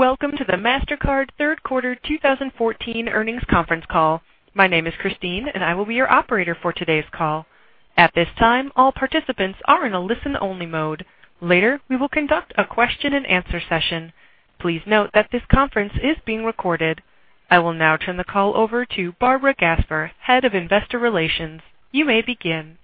Welcome to the Mastercard third quarter 2014 earnings conference call. My name is Christine and I will be your operator for today's call. At this time, all participants are in a listen-only mode. Later, we will conduct a question and answer session. Please note that this conference is being recorded. I will now turn the call over to Barbara Gasper, Head of Investor Relations. You may begin.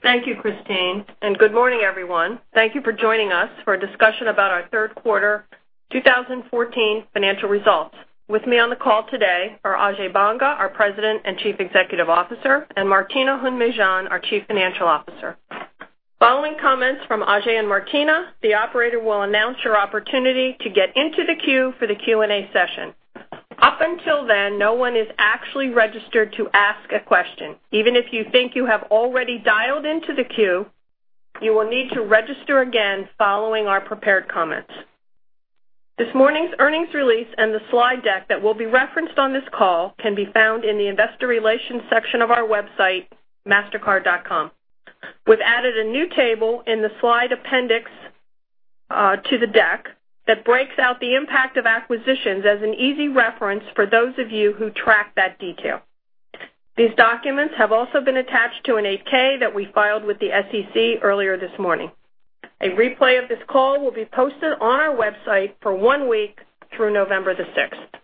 Thank you, Christine, good morning, everyone. Thank you for joining us for a discussion about our third quarter 2014 financial results. With me on the call today are Ajay Banga, our President and Chief Executive Officer, and Martina Hund-Mejean, our Chief Financial Officer. Following comments from Ajay and Martina, the operator will announce your opportunity to get into the queue for the Q&A session. Up until then, no one is actually registered to ask a question. Even if you think you have already dialed into the queue, you will need to register again following our prepared comments. This morning's earnings release and the slide deck that will be referenced on this call can be found in the investor relations section of our website, mastercard.com. We've added a new table in the slide appendix to the deck that breaks out the impact of acquisitions as an easy reference for those of you who track that detail. These documents have also been attached to an 8-K that we filed with the SEC earlier this morning. A replay of this call will be posted on our website for one week through November the 6th.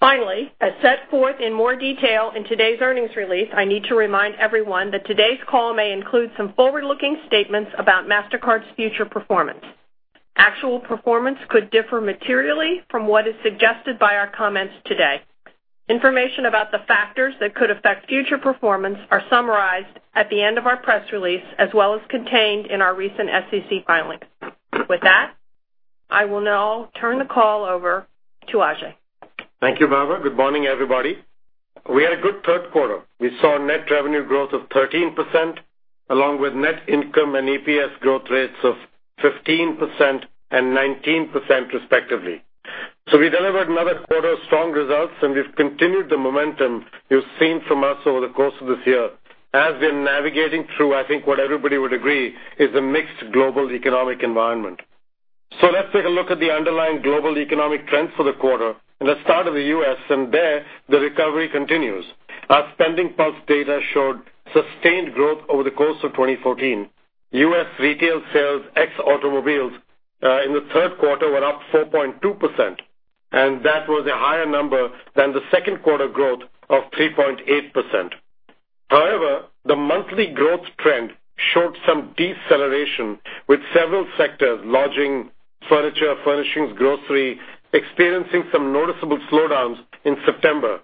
Finally, as set forth in more detail in today's earnings release, I need to remind everyone that today's call may include some forward-looking statements about Mastercard's future performance. Actual performance could differ materially from what is suggested by our comments today. Information about the factors that could affect future performance are summarized at the end of our press release, as well as contained in our recent SEC filings. With that, I will now turn the call over to Ajay. Thank you, Barbara. Good morning, everybody. We had a good third quarter. We saw net revenue growth of 13%, along with net income and EPS growth rates of 15% and 19% respectively. We delivered another quarter of strong results, and we've continued the momentum you've seen from us over the course of this year as we're navigating through, I think what everybody would agree, is a mixed global economic environment. Let's take a look at the underlying global economic trends for the quarter, let's start in the U.S. There, the recovery continues. Our SpendingPulse data showed sustained growth over the course of 2014. U.S. retail sales ex automobiles in the third quarter were up 4.2%, and that was a higher number than the second quarter growth of 3.8%. However, the monthly growth trend showed some deceleration, with several sectors, lodging, furniture, furnishings, grocery, experiencing some noticeable slowdowns in September.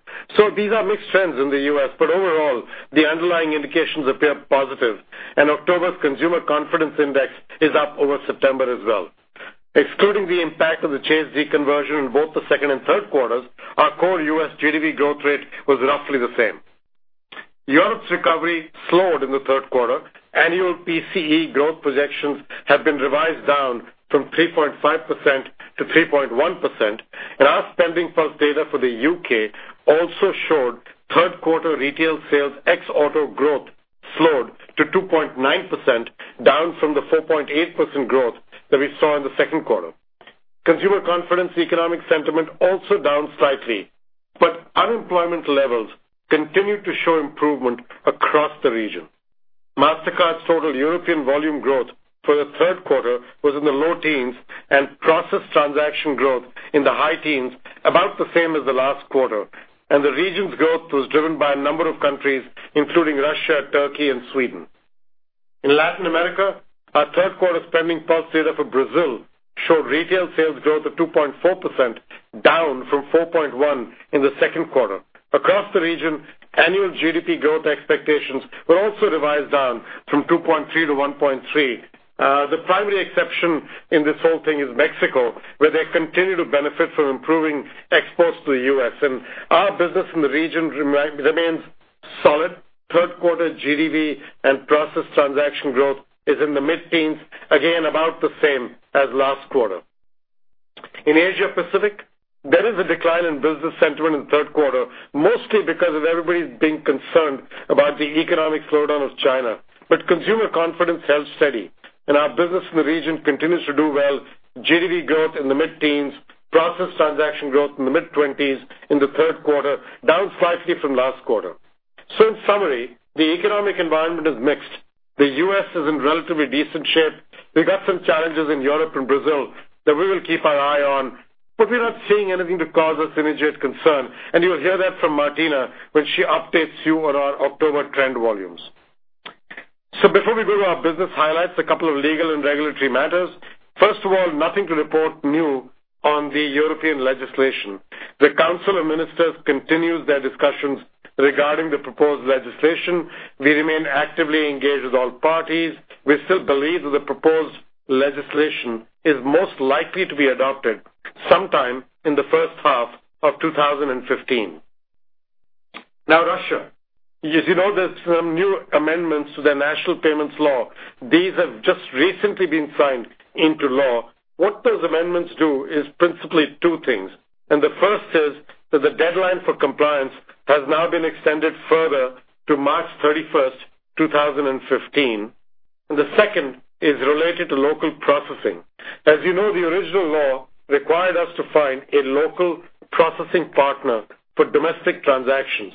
These are mixed trends in the U.S., but overall, the underlying indications appear positive, and October's consumer confidence index is up over September as well. Excluding the impact of the change deconversion in both the second and third quarters, our core U.S. GDP growth rate was roughly the same. Europe's recovery slowed in the third quarter. Annual PCE growth projections have been revised down from 3.5% to 3.1%, and our SpendingPulse data for the U.K. also showed third-quarter retail sales ex auto growth slowed to 2.9%, down from the 4.8% growth that we saw in the second quarter. Consumer confidence economic sentiment also down slightly, but unemployment levels continued to show improvement across the region. Mastercard's total European volume growth for the third quarter was in the low teens and processed transaction growth in the high teens, about the same as the last quarter. The region's growth was driven by a number of countries, including Russia, Turkey and Sweden. In Latin America, our third-quarter SpendingPulse data for Brazil showed retail sales growth of 2.4%, down from 4.1% in the second quarter. Across the region, annual GDP growth expectations were also revised down from 2.3% to 1.3%. The primary exception in this whole thing is Mexico, where they continue to benefit from improving exports to the U.S. Our business in the region remains solid. Third quarter GDP and processed transaction growth is in the mid-teens, again, about the same as last quarter. In Asia Pacific, there is a decline in business sentiment in the third quarter, mostly because of everybody's being concerned about the economic slowdown of China. Consumer confidence held steady, and our business in the region continues to do well. GDP growth in the mid-teens, processed transaction growth in the mid-20s in the third quarter, down slightly from last quarter. In summary, the economic environment is mixed. The U.S. is in relatively decent shape. We got some challenges in Europe and Brazil that we will keep our eye on, but we're not seeing anything to cause us immediate concern, and you will hear that from Martina when she updates you on our October trend volumes. Before we go to our business highlights, a couple of legal and regulatory matters. First of all, nothing to report new on the European legislation. The Council of Ministers continues their discussions regarding the proposed legislation. We remain actively engaged with all parties. We still believe that the proposed legislation is most likely to be adopted sometime in the first half of 2015. Now, Russia. As you know, there's some new amendments to the national payments law. These have just recently been signed into law. What those amendments do is principally two things, and the first is that the deadline for compliance has now been extended further to March 31, 2015. The second is related to local processing. As you know, the original law required us to find a local processing partner for domestic transactions,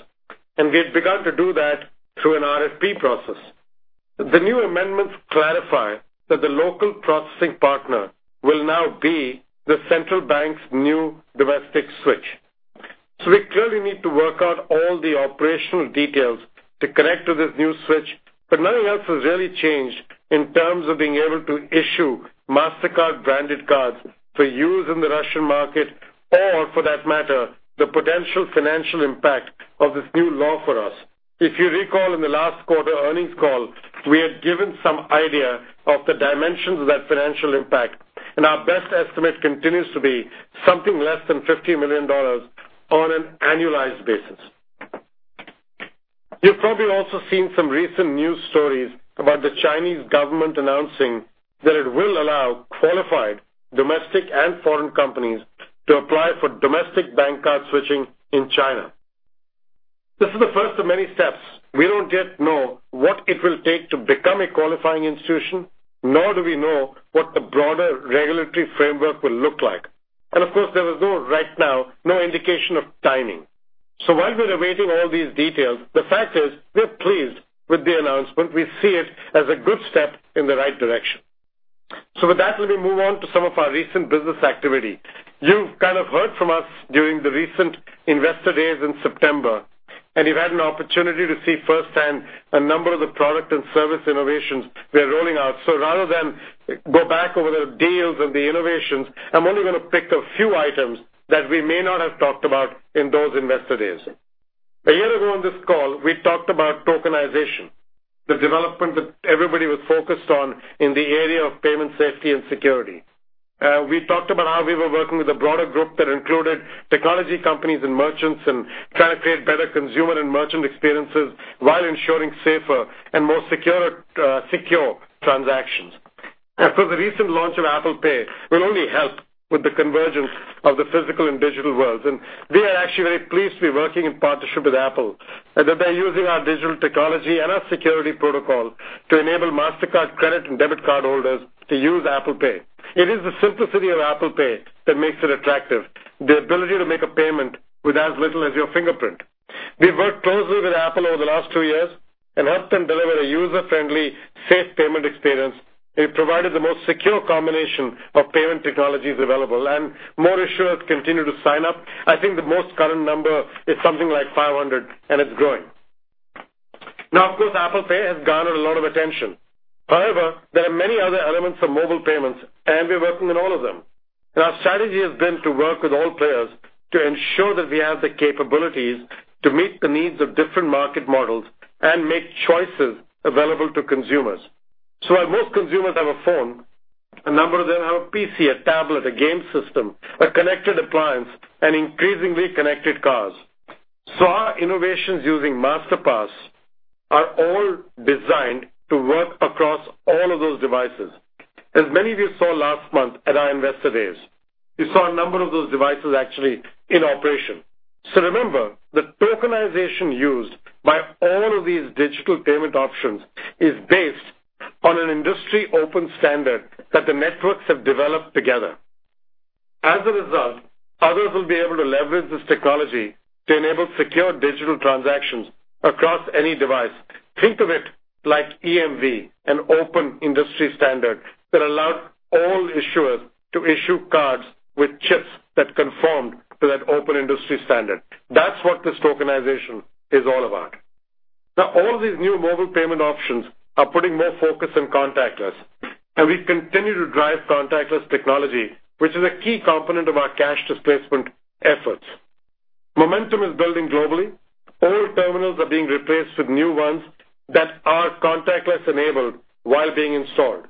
and we had begun to do that through an RFP process. The new amendments clarify that the local processing partner will now be the central bank's new domestic switch. We clearly need to work out all the operational details to connect to this new switch, but nothing else has really changed in terms of being able to issue Mastercard-branded cards for use in the Russian market or, for that matter, the potential financial impact of this new law for us. If you recall, in the last quarter earnings call, we had given some idea of the dimensions of that financial impact, and our best estimate continues to be something less than $50 million on an annualized basis. You've probably also seen some recent news stories about the Chinese government announcing that it will allow qualified domestic and foreign companies to apply for domestic bank card switching in China. This is the first of many steps. We don't yet know what it will take to become a qualifying institution, nor do we know what the broader regulatory framework will look like. Of course, there is, right now, no indication of timing. While we're awaiting all these details, the fact is we're pleased with the announcement. We see it as a good step in the right direction. With that, let me move on to some of our recent business activity. You've kind of heard from us during the recent Investor Days in September, and you've had an opportunity to see firsthand a number of the product and service innovations we are rolling out. Rather than go back over the deals and the innovations, I'm only going to pick a few items that we may not have talked about in those Investor Days. A year ago on this call, we talked about tokenization, the development that everybody was focused on in the area of payment safety and security. We talked about how we were working with a broader group that included technology companies and merchants and trying to create better consumer and merchant experiences while ensuring safer and more secure transactions. Of course, the recent launch of Apple Pay will only help with the convergence of the physical and digital worlds, and we are actually very pleased to be working in partnership with Apple. That they're using our digital technology and our security protocol to enable Mastercard credit and debit cardholders to use Apple Pay. It is the simplicity of Apple Pay that makes it attractive. The ability to make a payment with as little as your fingerprint. We've worked closely with Apple over the last two years and helped them deliver a user-friendly, safe payment experience. We've provided the most secure combination of payment technologies available, and more issuers continue to sign up. I think the most current number is something like 500, and it's growing. Of course, Apple Pay has garnered a lot of attention. However, there are many other elements of mobile payments, and we're working on all of them. Our strategy has been to work with all players to ensure that we have the capabilities to meet the needs of different market models and make choices available to consumers. While most consumers have a phone, a number of them have a PC, a tablet, a game system, a connected appliance, and increasingly connected cars. Our innovations using Masterpass are all designed to work across all of those devices. As many of you saw last month at our Investor Days, you saw a number of those devices actually in operation. Remember that tokenization used by all of these digital payment options is based on an industry-open standard that the networks have developed together. As a result, others will be able to leverage this technology to enable secure digital transactions across any device. Think of it like EMV, an open industry standard that allowed all issuers to issue cards with chips that conformed to that open industry standard. That's what this tokenization is all about. All these new mobile payment options are putting more focus on contactless, and we continue to drive contactless technology, which is a key component of our cash displacement efforts. Momentum is building globally. Old terminals are being replaced with new ones that are contactless-enabled while being installed.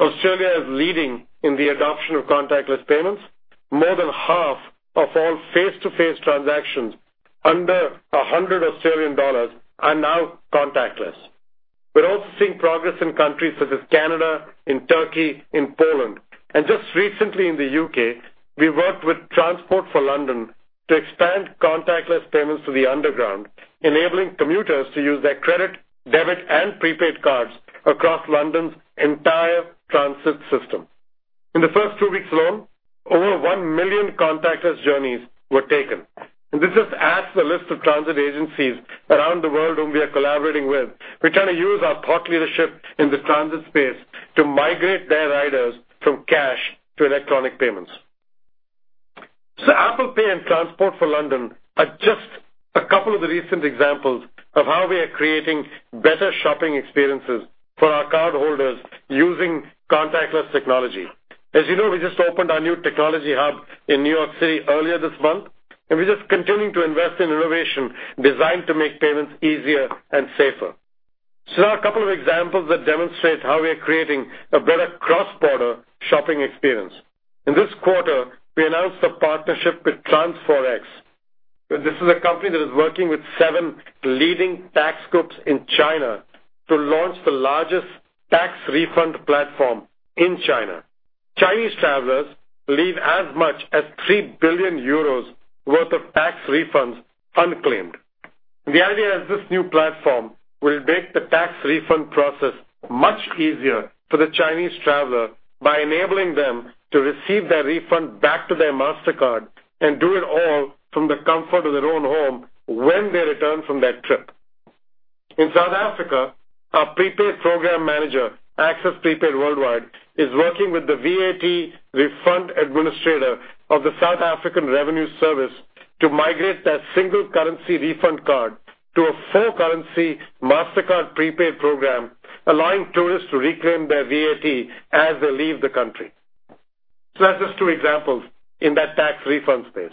Australia is leading in the adoption of contactless payments. More than half of all face-to-face transactions under 100 Australian dollars are now contactless. We're also seeing progress in countries such as Canada, in Turkey, in Poland. Just recently in the U.K., we worked with Transport for London to expand contactless payments to the underground, enabling commuters to use their credit, debit, and prepaid cards across London's entire transit system. In the first two weeks alone, over 1 million contactless journeys were taken. This just adds to the list of transit agencies around the world whom we are collaborating with. We're trying to use our thought leadership in the transit space to migrate their riders from cash to electronic payments. Apple Pay and Transport for London are just a couple of the recent examples of how we are creating better shopping experiences for our cardholders using contactless technology. As you know, we just opened our new technology hub in New York City earlier this month, and we're just continuing to invest in innovation designed to make payments easier and safer. A couple of examples that demonstrate how we are creating a better cross-border shopping experience. In this quarter, we announced a partnership with Trans4x. This is a company that is working with seven leading tax groups in China to launch the largest tax refund platform in China. Chinese travelers leave as much as 3 billion euros worth of tax refunds unclaimed. The idea is this new platform will make the tax refund process much easier for the Chinese traveler by enabling them to receive their refund back to their Mastercard and do it all from the comfort of their own home when they return from that trip. In South Africa, our prepaid program manager, Access Prepaid Worldwide, is working with the VAT refund administrator of the South African Revenue Service to migrate their single currency refund card to a four-currency Mastercard prepaid program, allowing tourists to reclaim their VAT as they leave the country. That's just two examples in that tax refund space.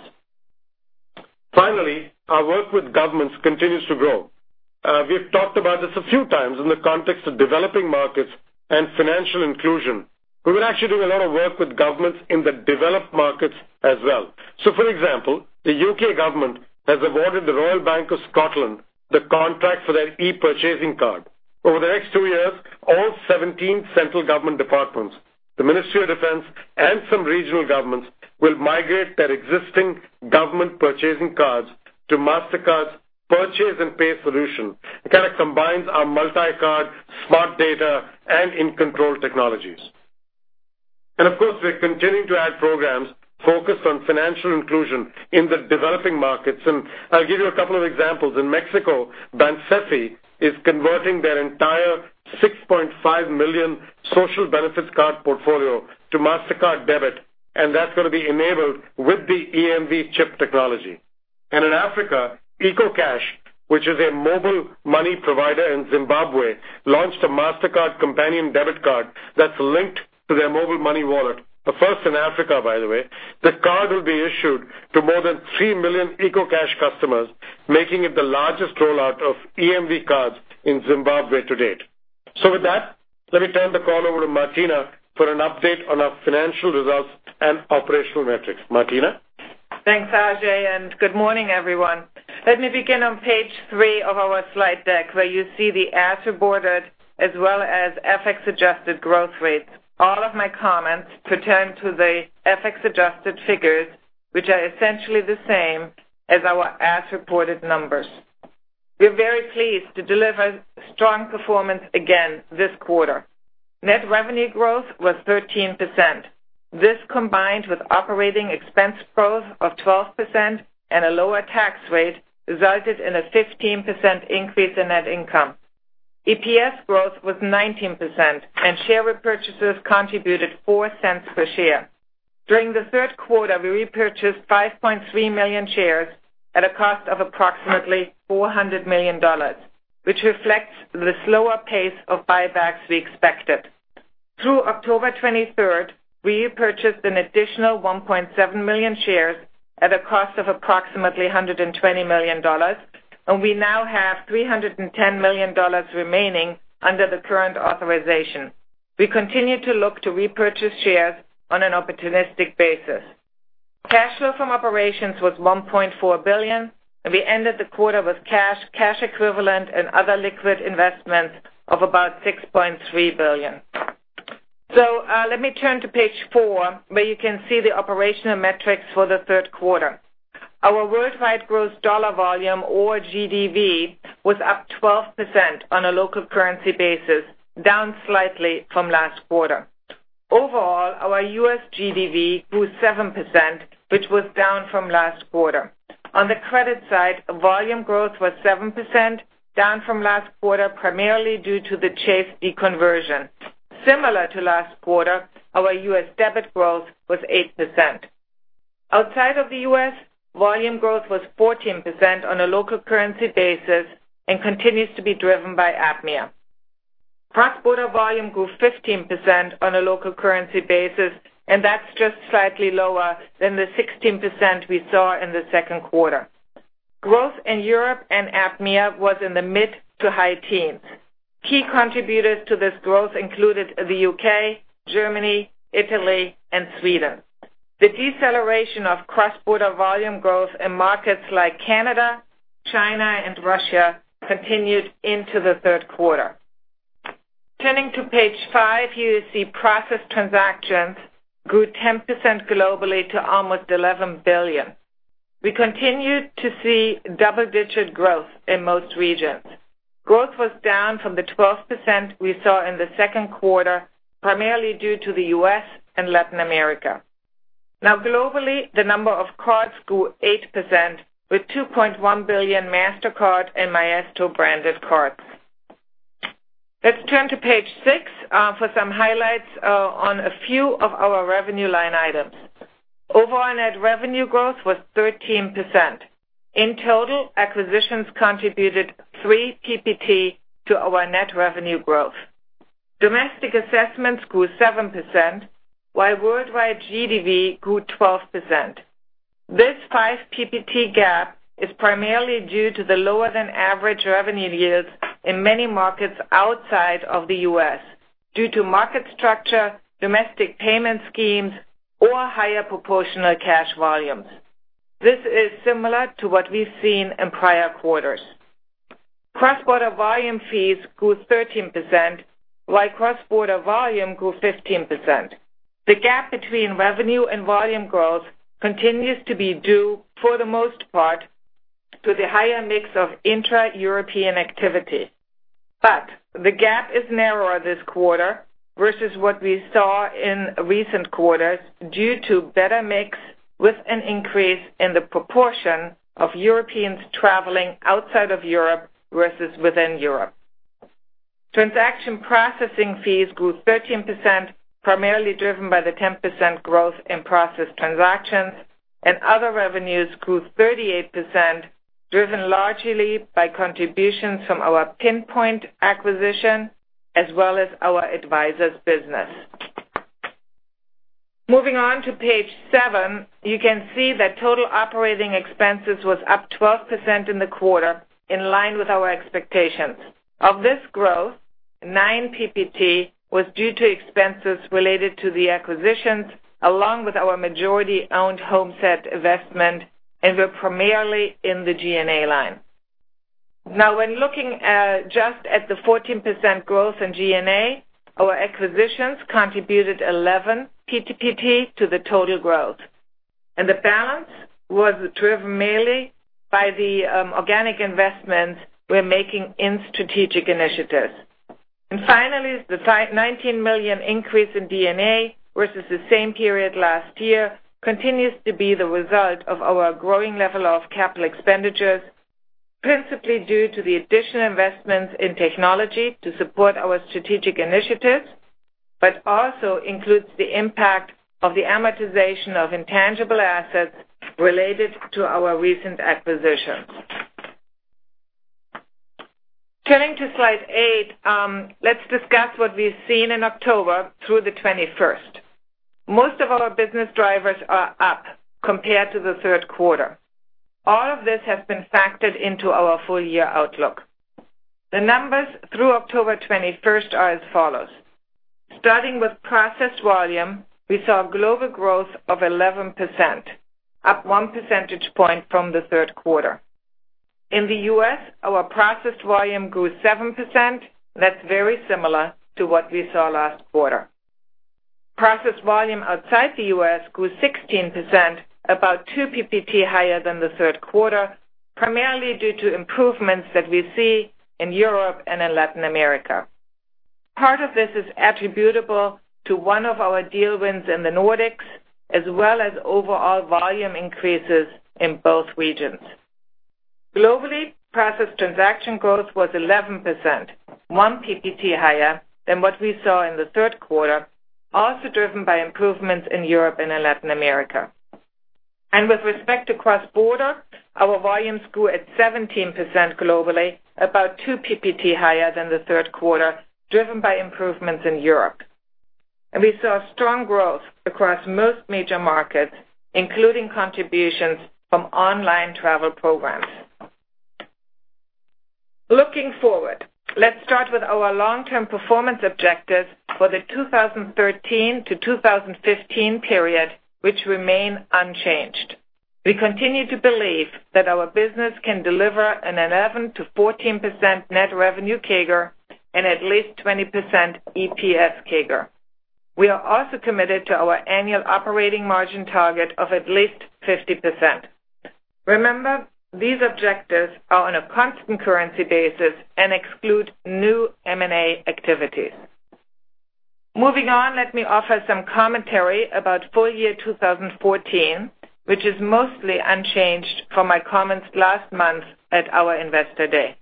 Finally, our work with governments continues to grow. We've talked about this a few times in the context of developing markets and financial inclusion. We're actually doing a lot of work with governments in the developed markets as well. For example, the U.K. government has awarded the Royal Bank of Scotland the contract for their e-purchasing card. Over the next two years, all 17 central government departments, the Ministry of Defence, and some regional governments will migrate their existing government purchasing cards to Mastercard's purchase and pay solution. It kind of combines our multi-card, Smart Data, and In Control technologies. Of course, we're continuing to add programs focused on financial inclusion in the developing markets. I'll give you a couple of examples. In Mexico, Bansefi is converting their entire 6.5 million social benefits card portfolio to Mastercard Debit, and that's going to be enabled with the EMV chip technology. In Africa, EcoCash, which is a mobile money provider in Zimbabwe, launched a Mastercard companion debit card that's linked to their mobile money wallet. The first in Africa, by the way. This card will be issued to more than 3 million EcoCash customers, making it the largest rollout of EMV cards in Zimbabwe to date. With that, let me turn the call over to Martina for an update on our financial results and operational metrics. Martina? Thanks, Ajay, and good morning, everyone. Let me begin on page three of our slide deck, where you see the as-reported as well as FX-adjusted growth rates. All of my comments pertain to the FX-adjusted figures, which are essentially the same as our as-reported numbers. We're very pleased to deliver strong performance again this quarter. Net revenue growth was 13%. This, combined with operating expense growth of 12% and a lower tax rate, resulted in a 15% increase in net income. EPS growth was 19%, and share repurchases contributed $0.04 per share. During the third quarter, we repurchased 5.3 million shares at a cost of approximately $400 million, which reflects the slower pace of buybacks we expected. Through October 23rd, we repurchased an additional 1.7 million shares at a cost of approximately $120 million, and we now have $310 million remaining under the current authorization. We continue to look to repurchase shares on an opportunistic basis. Cash flow from operations was $1.4 billion, and we ended the quarter with cash equivalent, and other liquid investments of about $6.3 billion. Let me turn to page four, where you can see the operational metrics for the third quarter. Our worldwide gross dollar volume, or GDV, was up 12% on a local currency basis, down slightly from last quarter. Overall, our U.S. GDV grew 7%, which was down from last quarter. On the credit side, volume growth was 7%, down from last quarter, primarily due to the Chase deconversion. Similar to last quarter, our U.S. debit growth was 8%. Outside of the U.S., volume growth was 14% on a local currency basis and continues to be driven by APMEA. Cross-border volume grew 15% on a local currency basis, that's just slightly lower than the 16% we saw in the second quarter. Growth in Europe and APMEA was in the mid to high teens. Key contributors to this growth included the U.K., Germany, Italy, and Sweden. The deceleration of cross-border volume growth in markets like Canada, China, and Russia continued into the third quarter. Turning to page five, you see processed transactions grew 10% globally to almost 11 billion. We continued to see double-digit growth in most regions. Growth was down from the 12% we saw in the second quarter, primarily due to the U.S. and Latin America. Globally, the number of cards grew 8%, with 2.1 billion Mastercard and Maestro-branded cards. Let's turn to page six for some highlights on a few of our revenue line items. Overall net revenue growth was 13%. In total, acquisitions contributed 3 PPT to our net revenue growth. Domestic assessments grew 7%, while worldwide GDV grew 12%. This 5 PPT gap is primarily due to the lower than average revenue yields in many markets outside of the U.S. due to market structure, domestic payment schemes, or higher proportional cash volumes. This is similar to what we've seen in prior quarters. Cross-border volume fees grew 13%, while cross-border volume grew 15%. The gap between revenue and volume growth continues to be due, for the most part, to the higher mix of intra-European activity. The gap is narrower this quarter versus what we saw in recent quarters due to better mix with an increase in the proportion of Europeans traveling outside of Europe versus within Europe. Transaction processing fees grew 13%, primarily driven by the 10% growth in processed transactions. Other revenues grew 38%, driven largely by contributions from our Pinpoint acquisition as well as our advisors business. Moving on to page seven, you can see that total operating expenses was up 12% in the quarter, in line with our expectations. Of this growth, 9 PPT was due to expenses related to the acquisitions, along with our majority-owned HomeSend investment, and were primarily in the G&A line. When looking just at the 14% growth in G&A, our acquisitions contributed 11 PPT to the total growth, the balance was driven mainly by the organic investments we're making in strategic initiatives. Finally, the $19 million increase in D&A versus the same period last year continues to be the result of our growing level of capital expenditures, principally due to the additional investments in technology to support our strategic initiatives, but also includes the impact of the amortization of intangible assets related to our recent acquisition. Turning to slide eight, let's discuss what we've seen in October through the 21st. Most of our business drivers are up compared to the third quarter. All of this has been factored into our full year outlook. The numbers through October 21st are as follows. Starting with processed volume, we saw global growth of 11%, up one percentage point from the third quarter. In the U.S., our processed volume grew 7%. That's very similar to what we saw last quarter. Processed volume outside the U.S. grew 16%, about 2 PPT higher than the third quarter, primarily due to improvements that we see in Europe and in Latin America. Part of this is attributable to one of our deal wins in the Nordics, as well as overall volume increases in both regions. Globally, processed transaction growth was 11%, 1 PPT higher than what we saw in the third quarter, also driven by improvements in Europe and in Latin America. With respect to cross-border, our volumes grew at 17% globally, about 2 PPT higher than the third quarter, driven by improvements in Europe. We saw strong growth across most major markets, including contributions from online travel programs. Looking forward, let's start with our long-term performance objectives for the 2013 to 2015 period, which remain unchanged. We continue to believe that our business can deliver an 11%-14% net revenue CAGR and at least 20% EPS CAGR. We are also committed to our annual operating margin target of at least 50%. Remember, these objectives are on a constant currency basis and exclude new M&A activities. Moving on, let me offer some commentary about full year 2014, which is mostly unchanged from my comments last month at our Investor Day.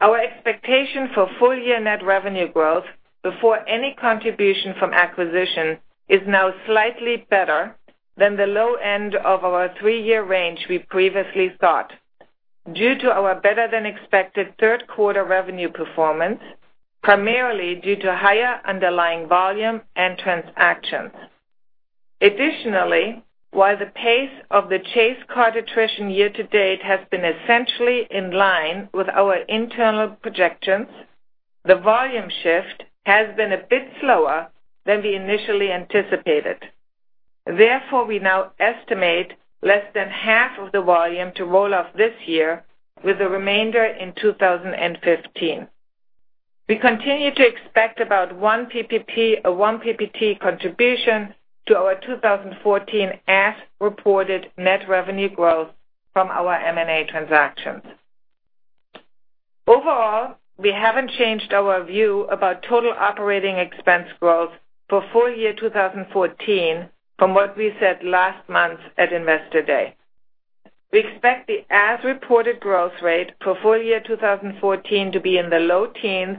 Our expectation for full year net revenue growth before any contribution from acquisition is now slightly better than the low end of our three-year range we previously thought due to our better-than-expected third quarter revenue performance, primarily due to higher underlying volume and transactions. Additionally, while the pace of the Chase card attrition year to date has been essentially in line with our internal projections, the volume shift has been a bit slower than we initially anticipated. Therefore, we now estimate less than half of the volume to roll off this year with the remainder in 2015. We continue to expect about one PPT contribution to our 2014 as-reported net revenue growth from our M&A transactions. Overall, we haven't changed our view about total operating expense growth for full year 2014 from what we said last month at Investor Day. We expect the as-reported growth rate for full year 2014 to be in the low teens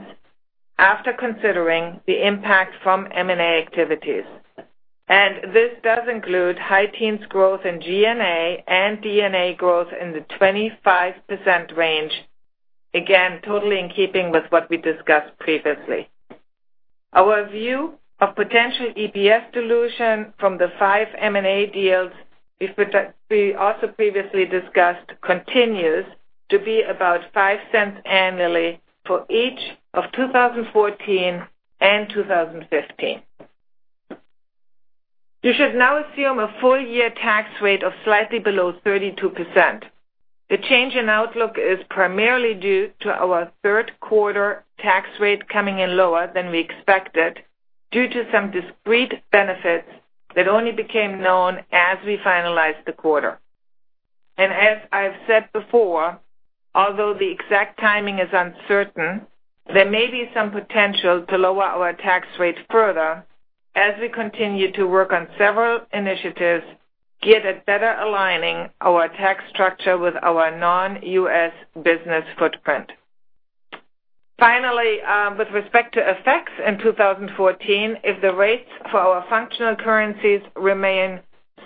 after considering the impact from M&A activities. This does include high teens growth in G&A and D&A growth in the 25% range. Again, totally in keeping with what we discussed previously. Our view of potential EPS dilution from the five M&A deals we also previously discussed continues to be about $0.05 annually for each of 2014 and 2015. You should now assume a full year tax rate of slightly below 32%. The change in outlook is primarily due to our third quarter tax rate coming in lower than we expected due to some discrete benefits that only became known as we finalized the quarter. As I've said before, although the exact timing is uncertain, there may be some potential to lower our tax rate further as we continue to work on several initiatives geared at better aligning our tax structure with our non-U.S. business footprint. Finally, with respect to FX in 2014, if the rates for our functional currencies remain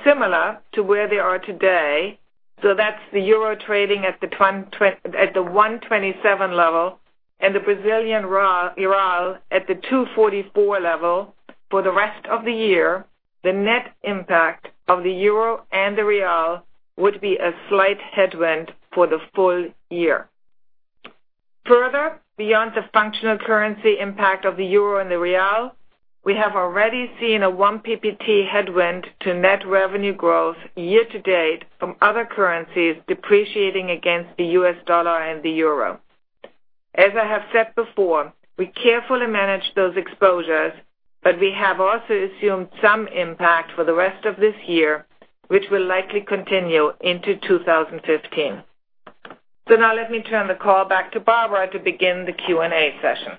similar to where they are today, so that's the 127 level and the 244 level for the rest of the year, the net impact of the euro and the real would be a slight headwind for the full year. Further, beyond the functional currency impact of the euro and the real, we have already seen a one PPT headwind to net revenue growth year to date from other currencies depreciating against the U.S. dollar and the euro. As I have said before, I carefully manage those exposures, but we have also assumed some impact for the rest of this year, which will likely continue into 2015. Now let me turn the call back to Barbara to begin the Q&A session.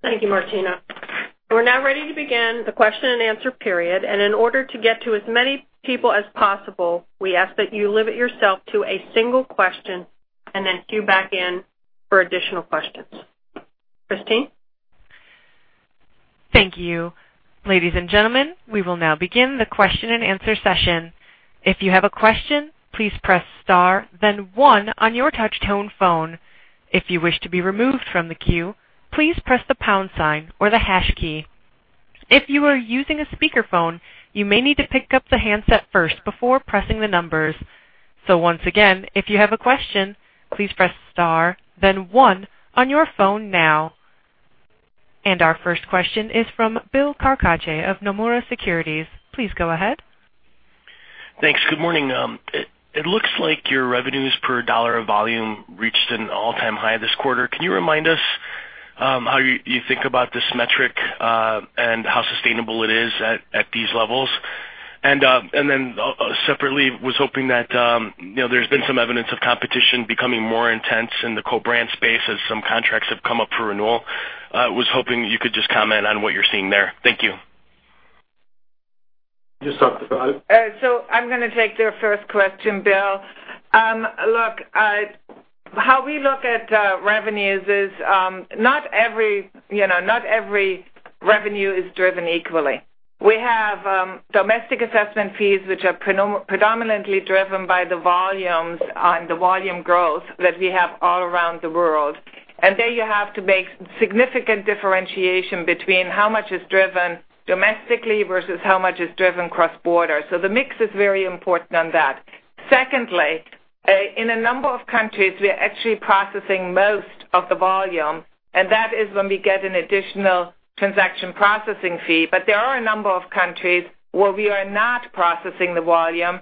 Thank you, Martina. We're now ready to begin the question and answer period. In order to get to as many people as possible, we ask that you limit yourself to a single question and then queue back in for additional questions. Christine? Thank you. Ladies and gentlemen, we will now begin the question and answer session. If you have a question, please press star then one on your touch tone phone. If you wish to be removed from the queue, please press the pound sign or the hash key. If you are using a speakerphone, you may need to pick up the handset first before pressing the numbers. Once again, if you have a question, please press star then one on your phone now. Our first question is from Bill Carcache of Nomura Securities. Please go ahead. Thanks. Good morning. It looks like your revenues per dollar of volume reached an all-time high this quarter. Can you remind us how you think about this metric, and how sustainable it is at these levels? Separately, there's been some evidence of competition becoming more intense in the co-brand space as some contracts have come up for renewal. I was hoping you could just comment on what you're seeing there. Thank you. Just talk to that. I'm going to take your first question, Bill. Look, how we look at revenues is not every revenue is driven equally. We have domestic assessment fees, which are predominantly driven by the volumes on the volume growth that we have all around the world. There you have to make significant differentiation between how much is driven domestically versus how much is driven cross-border. The mix is very important on that. Secondly, in a number of countries, we are actually processing most of the volume, and that is when we get an additional transaction processing fee. There are a number of countries where we are not processing the volume.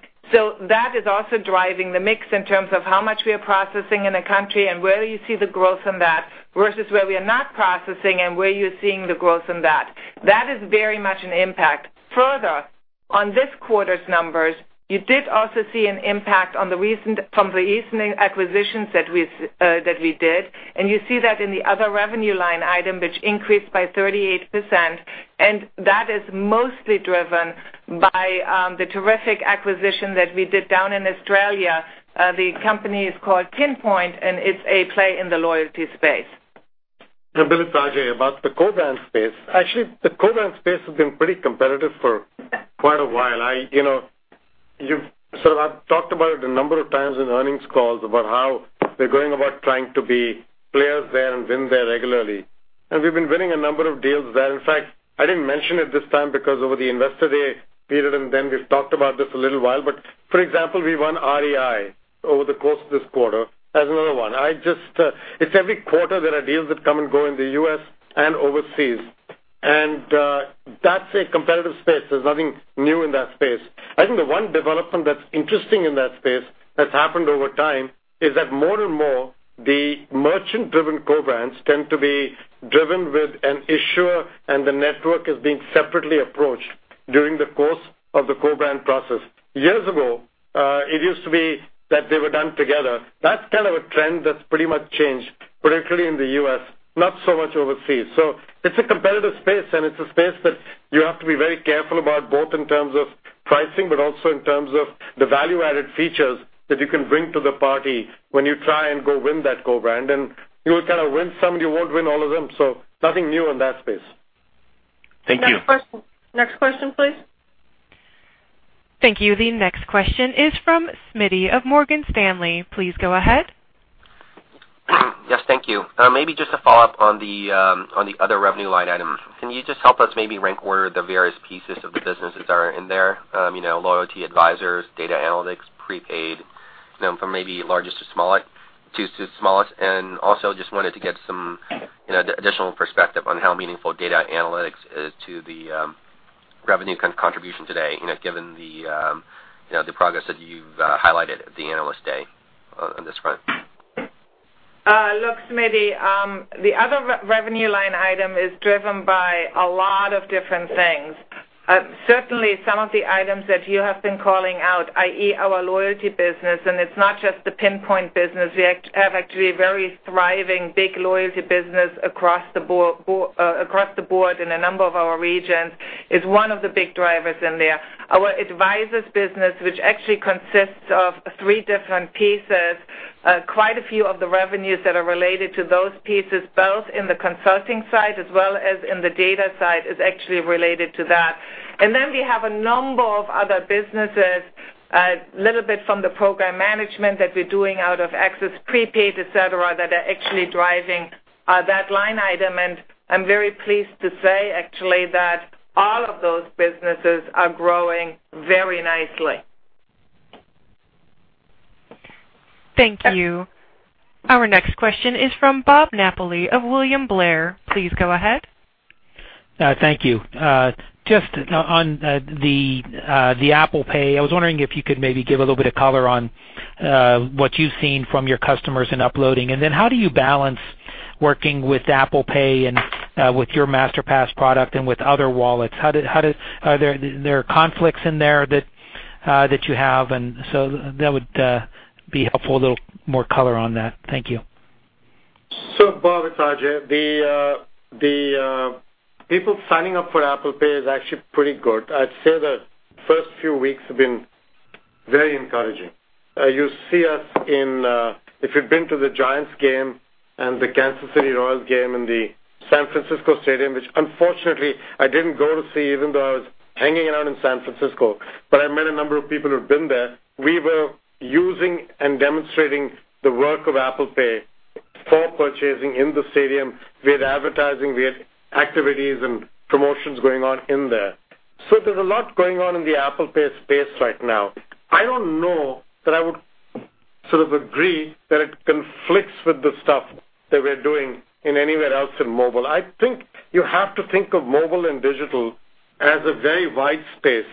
That is also driving the mix in terms of how much we are processing in a country and where you see the growth in that versus where we are not processing and where you're seeing the growth in that. That is very much an impact. Further, on this quarter's numbers, you did also see an impact from the recent acquisitions that we did, and you see that in the other revenue line item, which increased by 38%, and that is mostly driven by the Trevica acquisition that we did down in Australia. The company is called Pinpoint, and it's a play in the loyalty space. Bill Carcache, about the co-brand space. Actually, the co-brand space has been pretty competitive for quite a while. I've talked about it a number of times in earnings calls about how we're going about trying to be players there and win there regularly. We've been winning a number of deals there. In fact, I didn't mention it this time because over the Investor Day period and then we've talked about this a little while, but for example, we won REI over the course of this quarter as another one. It's every quarter there are deals that come and go in the U.S. and overseas. That's a competitive space. There's nothing new in that space. I think the one development that's interesting in that space that's happened over time is that more and more, the merchant-driven co-brands tend to be driven with an issuer, and the network is being separately approached during the course of the co-brand process. Years ago, it used to be that they were done together. That's kind of a trend that's pretty much changed, particularly in the U.S., not so much overseas. It's a competitive space, and it's a space that you have to be very careful about, both in terms of pricing, but also in terms of the value-added features that you can bring to the party when you try and go win that co-brand. You will kind of win some, you won't win all of them. Nothing new in that space. Thank you. Next question, please. Thank you. The next question is from Smitty of Morgan Stanley. Please go ahead. Yes, thank you. Maybe just a follow-up on the other revenue line item. Can you just help us maybe rank order the various pieces of the business that are in there? Loyalty advisors, data analytics, prepaid From maybe largest to smallest. Also just wanted to get some additional perspective on how meaningful data analytics is to the revenue contribution today, given the progress that you've highlighted at the Analyst Day on this front. Look, Smitty, the other revenue line item is driven by a lot of different things. Certainly, some of the items that you have been calling out, i.e., our loyalty business, and it's not just the Pinpoint business. We have actually a very thriving big loyalty business across the board in a number of our regions, is one of the big drivers in there. Our advisors business, which actually consists of three different pieces, quite a few of the revenues that are related to those pieces, both in the consulting side as well as in the data side, is actually related to that. Then we have a number of other businesses, a little bit from the program management that we're doing out of Access Prepaid, et cetera, that are actually driving that line item. I'm very pleased to say, actually, that all of those businesses are growing very nicely. Thank you. Our next question is from Robert Napoli of William Blair. Please go ahead. Thank you. Just on the Apple Pay, I was wondering if you could maybe give a little bit of color on what you've seen from your customers in uploading. Then how do you balance working with Apple Pay and with your Masterpass product and with other wallets? Are there conflicts in there that you have? That would be helpful, a little more color on that. Thank you. Bob, it's Ajay. The people signing up for Apple Pay is actually pretty good. I'd say the first few weeks have been very encouraging. You see us in if you've been to the Giants game and the Kansas City Royals game in the San Francisco stadium, which unfortunately I didn't go to see even though I was hanging out in San Francisco. I met a number of people who've been there. We were using and demonstrating the work of Apple Pay for purchasing in the stadium. We had advertising, we had activities and promotions going on in there. There's a lot going on in the Apple Pay space right now. I don't know that I would sort of agree that it conflicts with the stuff that we're doing in anywhere else in mobile. I think you have to think of mobile and digital as a very wide space.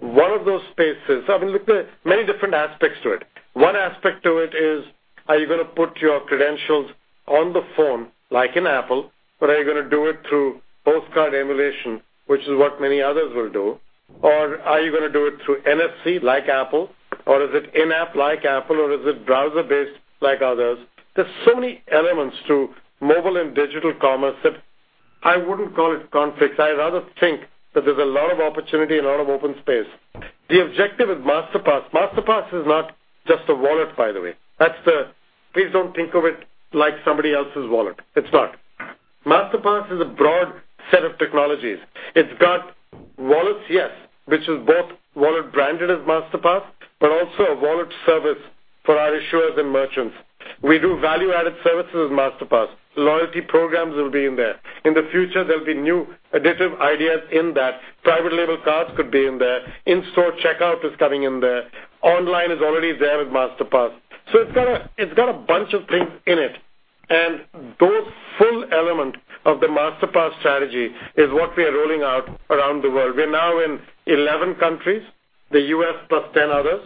One of those spaces. I mean, look, there are many different aspects to it. One aspect of it is, are you going to put your credentials on the phone, like in Apple, but are you going to do it through host card emulation, which is what many others will do? Are you going to do it through NFC like Apple, or is it in-app like Apple, or is it browser-based like others? There's so many elements to mobile and digital commerce that I wouldn't call it conflicts. I'd rather think that there's a lot of opportunity and a lot of open space. The objective with Masterpass is not just a wallet, by the way. Please don't think of it like somebody else's wallet. It's not. Masterpass is a broad set of technologies. It's got wallets, yes, which is both wallet branded as Masterpass, but also a wallet service for our issuers and merchants. We do value-added services with Masterpass. Loyalty programs will be in there. In the future, there'll be new additive ideas in that. Private label cards could be in there. In-store checkout is coming in there. Online is already there with Masterpass. It's got a bunch of things in it, and those full element of the Masterpass strategy is what we are rolling out around the world. We're now in 11 countries, the U.S. plus 10 others.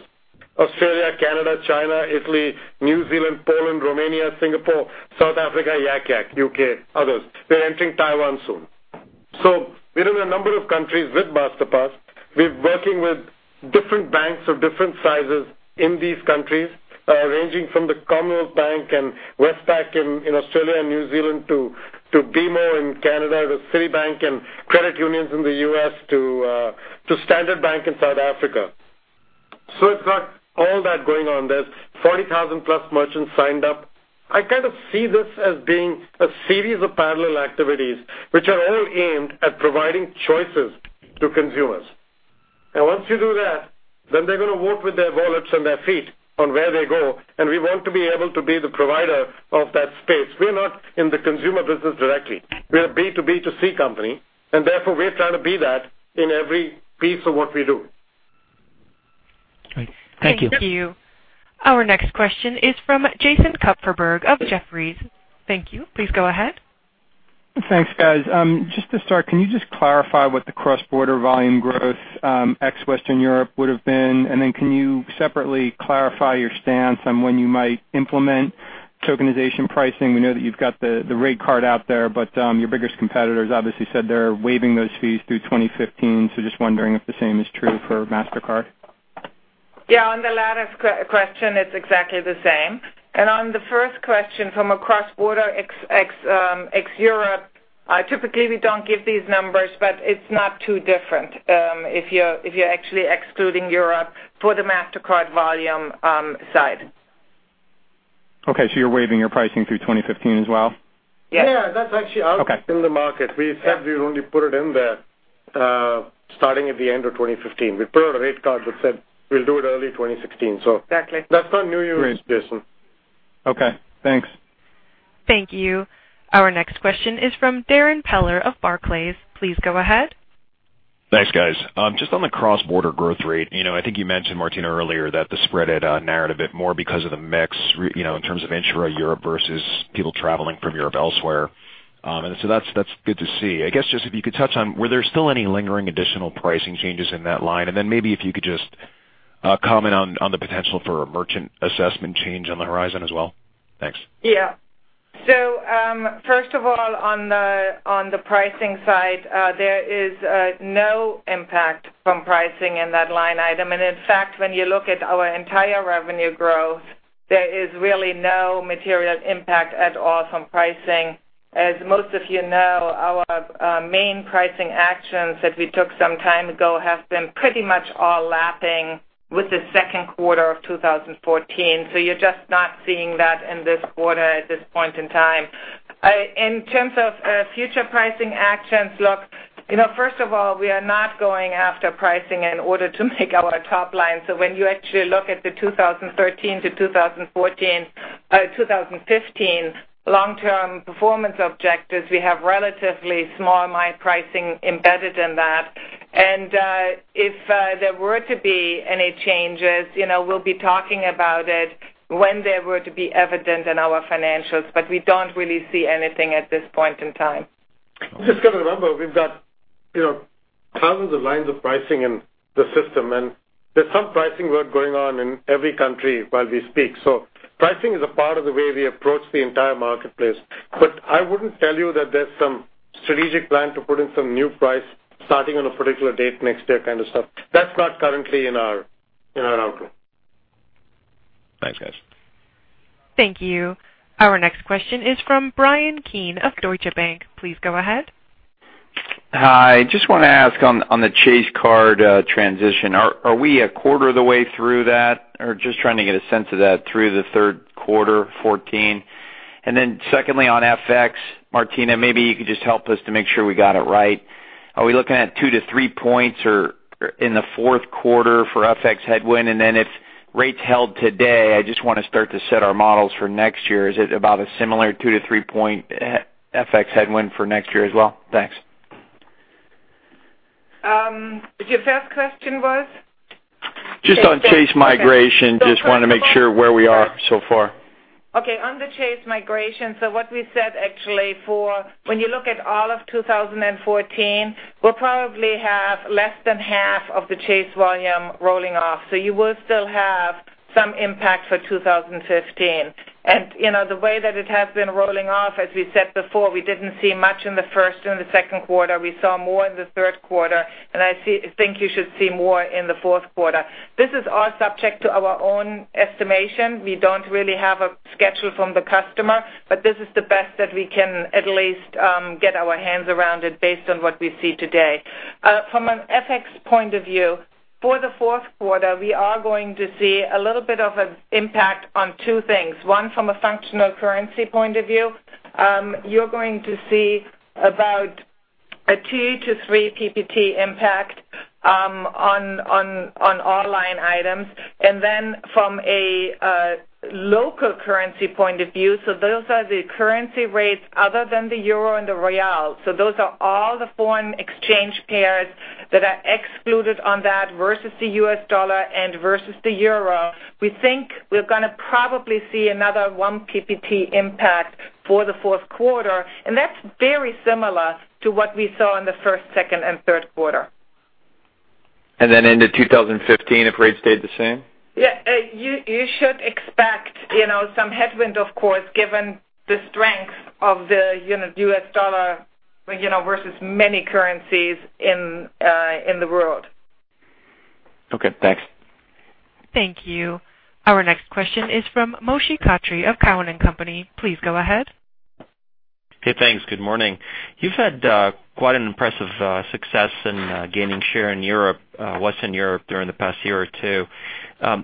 Australia, Canada, China, Italy, New Zealand, Poland, Romania, Singapore, South Africa, U.K., others. We're entering Taiwan soon. We're in a number of countries with Masterpass. We're working with different banks of different sizes in these countries, ranging from the Commonwealth Bank and Westpac in Australia and New Zealand to BMO in Canada, to Citibank and credit unions in the U.S., to Standard Bank in South Africa. So we've got all that going on. There's 40,000-plus merchants signed up. I kind of see this as being a series of parallel activities which are all aimed at providing choices to consumers. Once you do that, then they're going to vote with their wallets and their feet on where they go, and we want to be able to be the provider of that space. We're not in the consumer business directly. We're a B2B2C company, and therefore we're trying to be that in every piece of what we do. Great. Thank you. Thank you. Our next question is from Jason Kupferberg of Jefferies. Thank you. Please go ahead. Thanks, guys. Just to start, can you just clarify what the cross-border volume growth ex-Western Europe would have been? Then can you separately clarify your stance on when you might implement tokenization pricing? We know that you've got the rate card out there, but your biggest competitors obviously said they're waiving those fees through 2015. Just wondering if the same is true for Mastercard. Yeah, on the latter question, it's exactly the same. On the first question from a cross-border ex-Europe, typically we don't give these numbers, but it's not too different if you're actually excluding Europe for the Mastercard volume side. Okay, you're waiving your pricing through 2015 as well? Yes. Yeah. That's actually out- Okay In the market. We said we'll only put it in there starting at the end of 2015. We put out a rate card that said we'll do it early 2016. Exactly. That's not new news, Jason. Okay, thanks. Thank you. Our next question is from Darrin Peller of Barclays. Please go ahead. Thanks, guys. Just on the cross-border growth rate, I think you mentioned, Martina, earlier that the spread had narrowed a bit more because of the mix in terms of intra-Europe versus people traveling from Europe elsewhere. That's good to see. I guess just if you could touch on, were there still any lingering additional pricing changes in that line? And then maybe if you could just comment on the potential for a merchant assessment change on the horizon as well. Thanks. Yeah. First of all, on the pricing side, there is no impact from pricing in that line item. In fact, when you look at our entire revenue growth, there is really no material impact at all from pricing. As most of you know, our main pricing actions that we took some time ago have been pretty much all lapping with the second quarter of 2014. You're just not seeing that in this quarter at this point in time. In terms of future pricing actions, look, first of all, we are not going after pricing in order to make our top line. When you actually look at the 2013 to 2015 long-term performance objectives, we have relatively small pricing embedded in that. If there were to be any changes, we'll be talking about it when they were to be evident in our financials. We don't really see anything at this point in time. You just got to remember, we've got thousands of lines of pricing in the system, and there's some pricing work going on in every country while we speak. Pricing is a part of the way we approach the entire marketplace. I wouldn't tell you that there's some strategic plan to put in some new price starting on a particular date next year kind of stuff. That's not currently in our outlook. Thanks, guys. Thank you. Our next question is from Bryan Keane of Deutsche Bank. Please go ahead. Hi. Just want to ask on the Chase card transition, are we a quarter of the way through that? Just trying to get a sense of that through the third quarter 2014. Secondly, on FX, Martina, maybe you could just help us to make sure we got it right. Are we looking at two to three points or in the fourth quarter for FX headwind? If rates held today, I just want to start to set our models for next year. Is it about a similar two- to three-point FX headwind for next year as well? Thanks. Your first question was? Just on Chase migration. Just want to make sure where we are so far. Okay, on the Chase migration. What we said actually for when you look at all of 2014, we'll probably have less than half of the Chase volume rolling off. You will still have some impact for 2015. The way that it has been rolling off, as we said before, we didn't see much in the first and the second quarter. We saw more in the third quarter. I think you should see more in the fourth quarter. This is all subject to our own estimation. We don't really have a schedule from the customer, but this is the best that we can at least get our hands around it based on what we see today. From an FX point of view, for the fourth quarter, we are going to see a little bit of an impact on two things. From a functional currency point of view, you're going to see about a 2-3 PPT impact on all line items from a local currency point of view. Those are the currency rates other than the euro and the real. Those are all the foreign exchange pairs that are excluded on that versus the US dollar and versus the euro. We think we're going to probably see another 1 PPT impact for the fourth quarter, that's very similar to what we saw in the first, second, and third quarter. Into 2015, if rates stayed the same? Yeah. You should expect some headwind, of course, given the strength of the US dollar versus many currencies in the world. Okay, thanks. Thank you. Our next question is from Moshe Katri of Cowen and Company. Please go ahead. Okay, thanks. Good morning. You've had quite an impressive success in gaining share in Western Europe during the past year or two.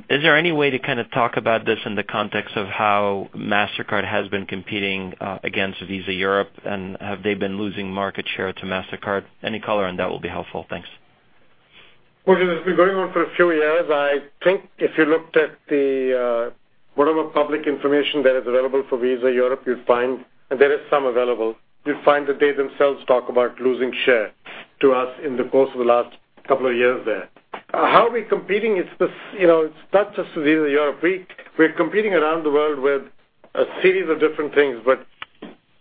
Is there any way to kind of talk about this in the context of how Mastercard has been competing against Visa Europe? Have they been losing market share to Mastercard? Any color on that will be helpful. Thanks. Well, it has been going on for a few years. I think if you looked at the whatever public information that is available for Visa Europe, and there is some available, you'd find that they themselves talk about losing share to us in the course of the last couple of years there. How are we competing? It's not just Visa Europe. We're competing around the world with a series of different things.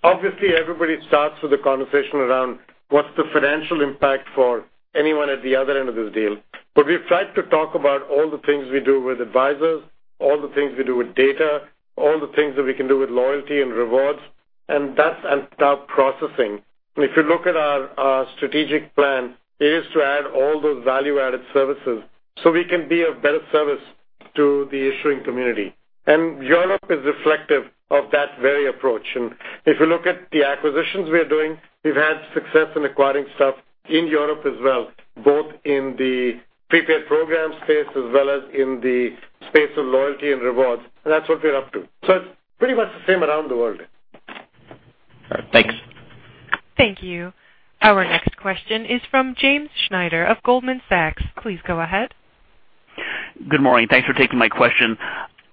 Obviously everybody starts with the conversation around what's the financial impact for anyone at the other end of this deal. We've tried to talk about all the things we do with advisors, all the things we do with data, all the things that we can do with loyalty and rewards, and that's on top processing. If you look at our strategic plan, it is to add all those value-added services so we can be of better service to the issuing community. Europe is reflective of that very approach. If you look at the acquisitions we are doing, we've had success in acquiring stuff in Europe as well, both in the prepaid program space as well as in the space of loyalty and rewards. That's what we're up to. It's pretty much the same around the world. All right, thanks. Thank you. Our next question is from James Schneider of Goldman Sachs. Please go ahead. Good morning. Thanks for taking my question.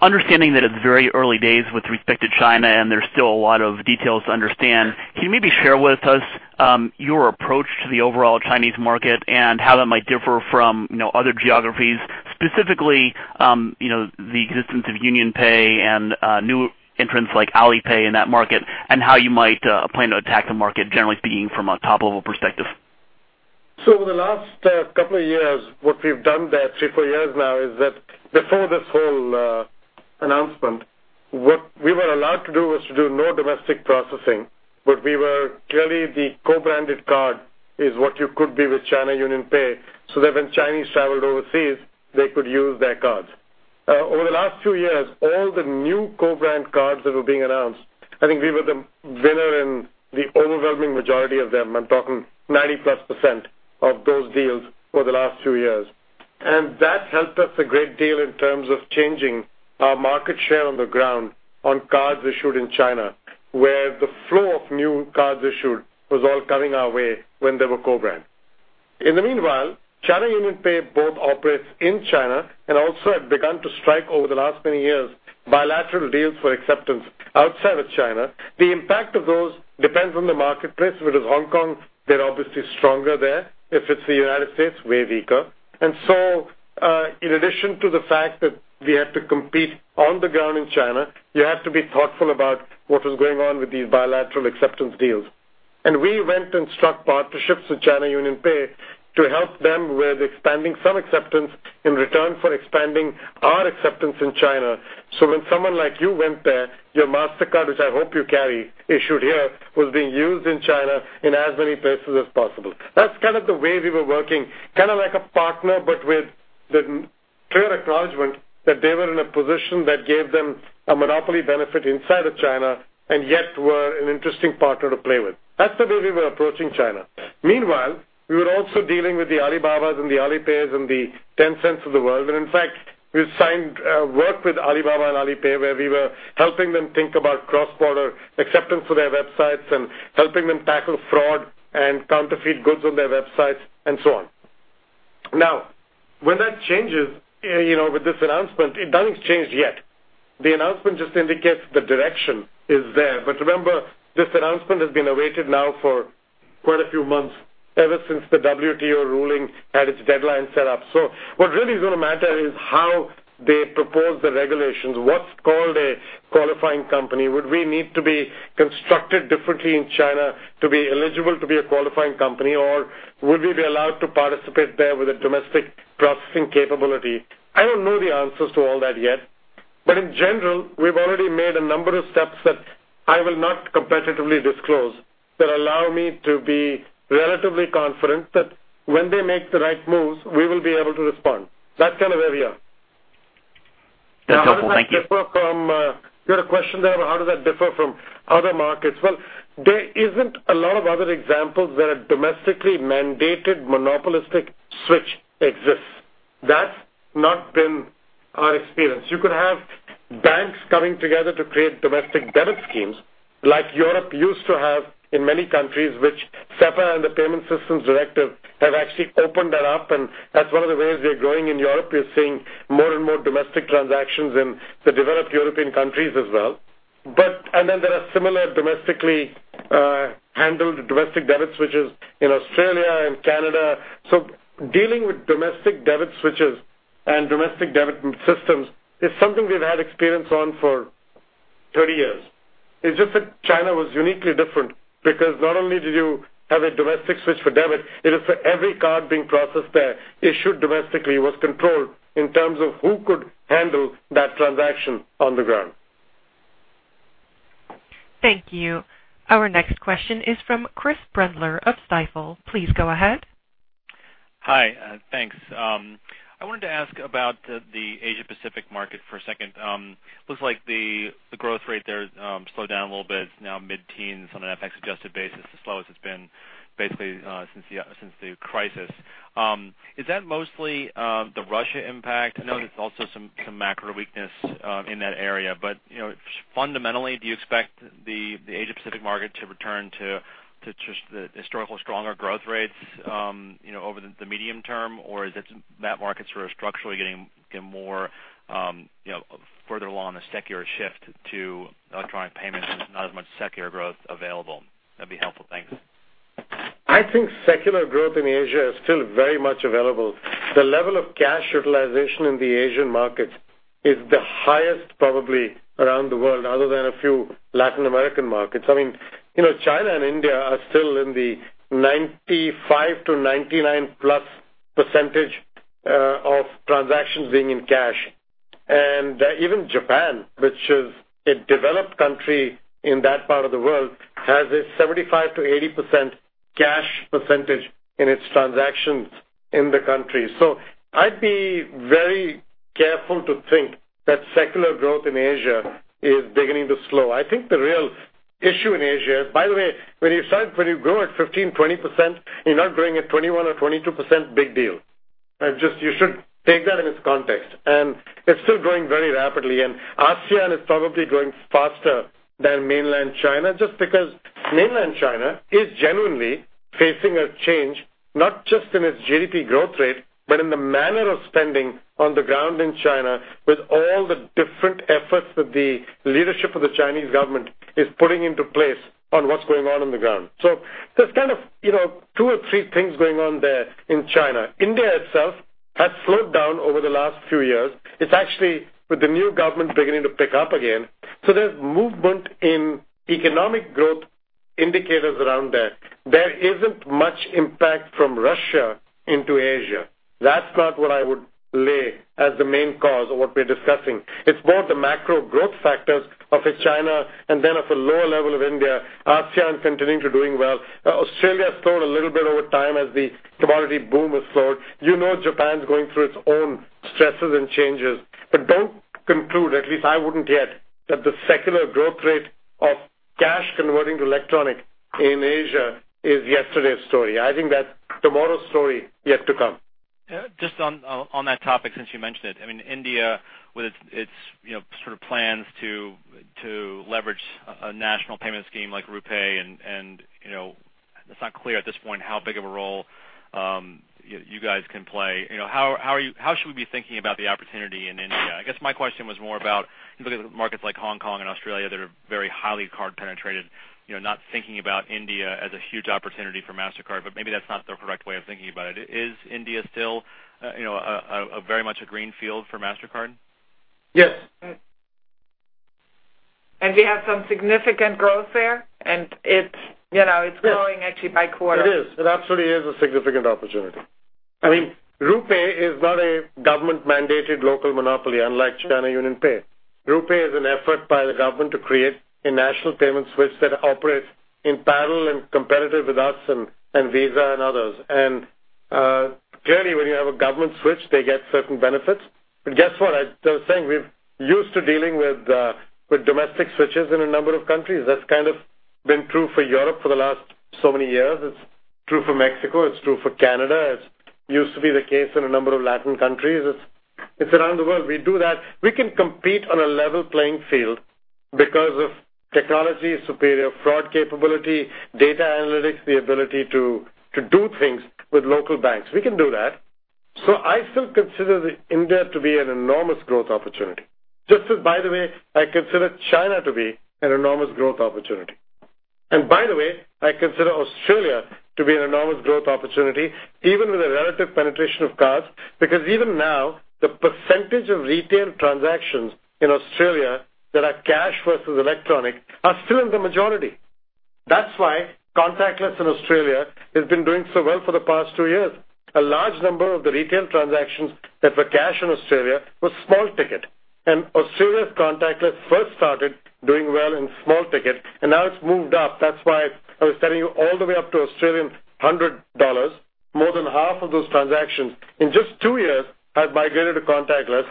Understanding that it is very early days with respect to China, and there is still a lot of details to understand, can you maybe share with us your approach to the overall Chinese market and how that might differ from other geographies? Specifically, the existence of UnionPay and new entrants like Alipay in that market, and how you might plan to attack the market, generally speaking, from a top-level perspective. Over the last couple of years, what we have done there, three, four years now, is that before this whole announcement, what we were allowed to do was to do no domestic processing. We were clearly the co-branded card is what you could be with China UnionPay, so that when Chinese traveled overseas, they could use their cards. Over the last two years, all the new co-brand cards that were being announced, I think we were the winner in the overwhelming majority of them. I am talking 90-plus % of those deals over the last two years. That helped us a great deal in terms of changing our market share on the ground on cards issued in China, where the flow of new cards issued was all coming our way when they were co-brand. Meanwhile, China UnionPay both operates in China and also have begun to strike over the last many years bilateral deals for acceptance outside of China. The impact of those depends on the marketplace. If it is Hong Kong, they're obviously stronger there. If it's the United States, way weaker. In addition to the fact that we have to compete on the ground in China, you have to be thoughtful about what was going on with these bilateral acceptance deals. We went and struck partnerships with China UnionPay to help them with expanding some acceptance in return for expanding our acceptance in China. When someone like you went there, your Mastercard, which I hope you carry, issued here, was being used in China in as many places as possible. That's kind of the way we were working, kind of like a partner, but with the clear acknowledgement that they were in a position that gave them a monopoly benefit inside of China and yet were an interesting partner to play with. That's the way we were approaching China. Meanwhile, we were also dealing with the Alibabas and the Alipays and the Tencents of the world. In fact, we worked with Alibaba and Alipay, where we were helping them think about cross-border acceptance for their websites and helping them tackle fraud and counterfeit goods on their websites, and so on. Now, when that changes with this announcement, nothing's changed yet. The announcement just indicates the direction is there. Remember, this announcement has been awaited now for quite a few months, ever since the WTO ruling had its deadline set up. What really is going to matter is how they propose the regulations, what's called a qualifying company. Would we need to be constructed differently in China to be eligible to be a qualifying company, or would we be allowed to participate there with a domestic processing capability? I don't know the answers to all that yet. In general, we've already made a number of steps that I will not competitively disclose that allow me to be relatively confident that when they make the right moves, we will be able to respond. That's kind of where we are. That's helpful. Thank you. You had a question there about how does that differ from other markets? There isn't a lot of other examples where a domestically mandated monopolistic switch exists. That's not been our experience. You could have banks coming together to create domestic debit schemes like Europe used to have in many countries, which SEPA and the Payment Services Directive have actually opened that up, and that's one of the ways we are growing in Europe. We're seeing more and more domestic transactions in the developed European countries as well. There are similar domestically handled domestic debit switches in Australia and Canada. Dealing with domestic debit switches and domestic debit systems is something we've had experience on for 30 years. It's just that China was uniquely different because not only did you have a domestic switch for debit, it is for every card being processed there issued domestically was controlled in terms of who could handle that transaction on the ground. Thank you. Our next question is from Chris Brendler of Stifel. Please go ahead. Hi. Thanks. I wanted to ask about the Asia Pacific market for a second. Looks like the growth rate there slowed down a little bit. It's now mid-teens on an FX-adjusted basis, the slowest it's been basically since the crisis. Is that mostly the Russia impact? I know there's also some macro weakness in that area. Fundamentally, do you expect the Asia Pacific market to return to just the historical stronger growth rates over the medium term? Or is it that markets are structurally getting more further along the secular shift to electronic payments, and there's not as much secular growth available? That'd be helpful. Thanks. I think secular growth in Asia is still very much available. The level of cash utilization in the Asian markets is the highest probably around the world other than a few Latin American markets. China and India are still in the 95% to 99%-plus percentage of transactions being in cash. Even Japan, which is a developed country in that part of the world, has a 75%-80% cash percentage in its transactions in the country. I'd be very careful to think that secular growth in Asia is beginning to slow. I think the real issue in Asia. By the way, when you grow at 15%, 20%, you're not growing at 21% or 22% big deal. You should take that in its context. It's still growing very rapidly, ASEAN is probably growing faster than mainland China, just because mainland China is genuinely facing a change, not just in its GDP growth rate, but in the manner of spending on the ground in China with all the different efforts that the leadership of the Chinese government is putting into place on what's going on the ground. There's kind of 2 or 3 things going on there in China. India itself has slowed down over the last few years. It's actually with the new government beginning to pick up again. There's movement in economic growth indicators around that. There isn't much impact from Russia into Asia. That's not what I would lay as the main cause of what we're discussing. It's more the macro growth factors of a China and then of a lower level of India. ASEAN is continuing to doing well. Australia slowed a little bit over time as the commodity boom has slowed. You know Japan's going through its own stresses and changes. Don't conclude, at least I wouldn't yet, that the secular growth rate of cash converting to electronic in Asia is yesterday's story. I think that's tomorrow's story yet to come. Just on that topic, since you mentioned it, India with its sort of plans to leverage a national payment scheme like RuPay. It's not clear at this point how big of a role you guys can play. How should we be thinking about the opportunity in India? I guess my question was more about markets like Hong Kong and Australia that are very highly card penetrated, not thinking about India as a huge opportunity for Mastercard. Maybe that's not the correct way of thinking about it. Is India still very much a green field for Mastercard? Yes. We have some significant growth there, and it's growing actually by quarter. It is. It absolutely is a significant opportunity. RuPay is not a government-mandated local monopoly unlike China UnionPay. RuPay is an effort by the government to create a national payment switch that operates in parallel and competitive with us and Visa and others. Clearly, when you have a government switch, they get certain benefits. Guess what? As I was saying, we're used to dealing with domestic switches in a number of countries. That's kind of been true for Europe for the last so many years. It's true for Mexico. It's true for Canada. It used to be the case in a number of Latin countries. It's around the world. We do that. We can compete on a level playing field because of technology, superior fraud capability, data analytics, the ability to do things with local banks. We can do that. I still consider India to be an enormous growth opportunity. Just as by the way, I consider China to be an enormous growth opportunity. By the way, I consider Australia to be an enormous growth opportunity, even with the relative penetration of cards, because even now, the percentage of retail transactions in Australia that are cash versus electronic are still in the majority. That's why contactless in Australia has been doing so well for the past two years. A large number of the retail transactions that were cash in Australia were small ticket. Australia's contactless first started doing well in small ticket, and now it's moved up. That's why I was telling you all the way up to 100 Australian dollars, more than half of those transactions in just two years have migrated to contactless.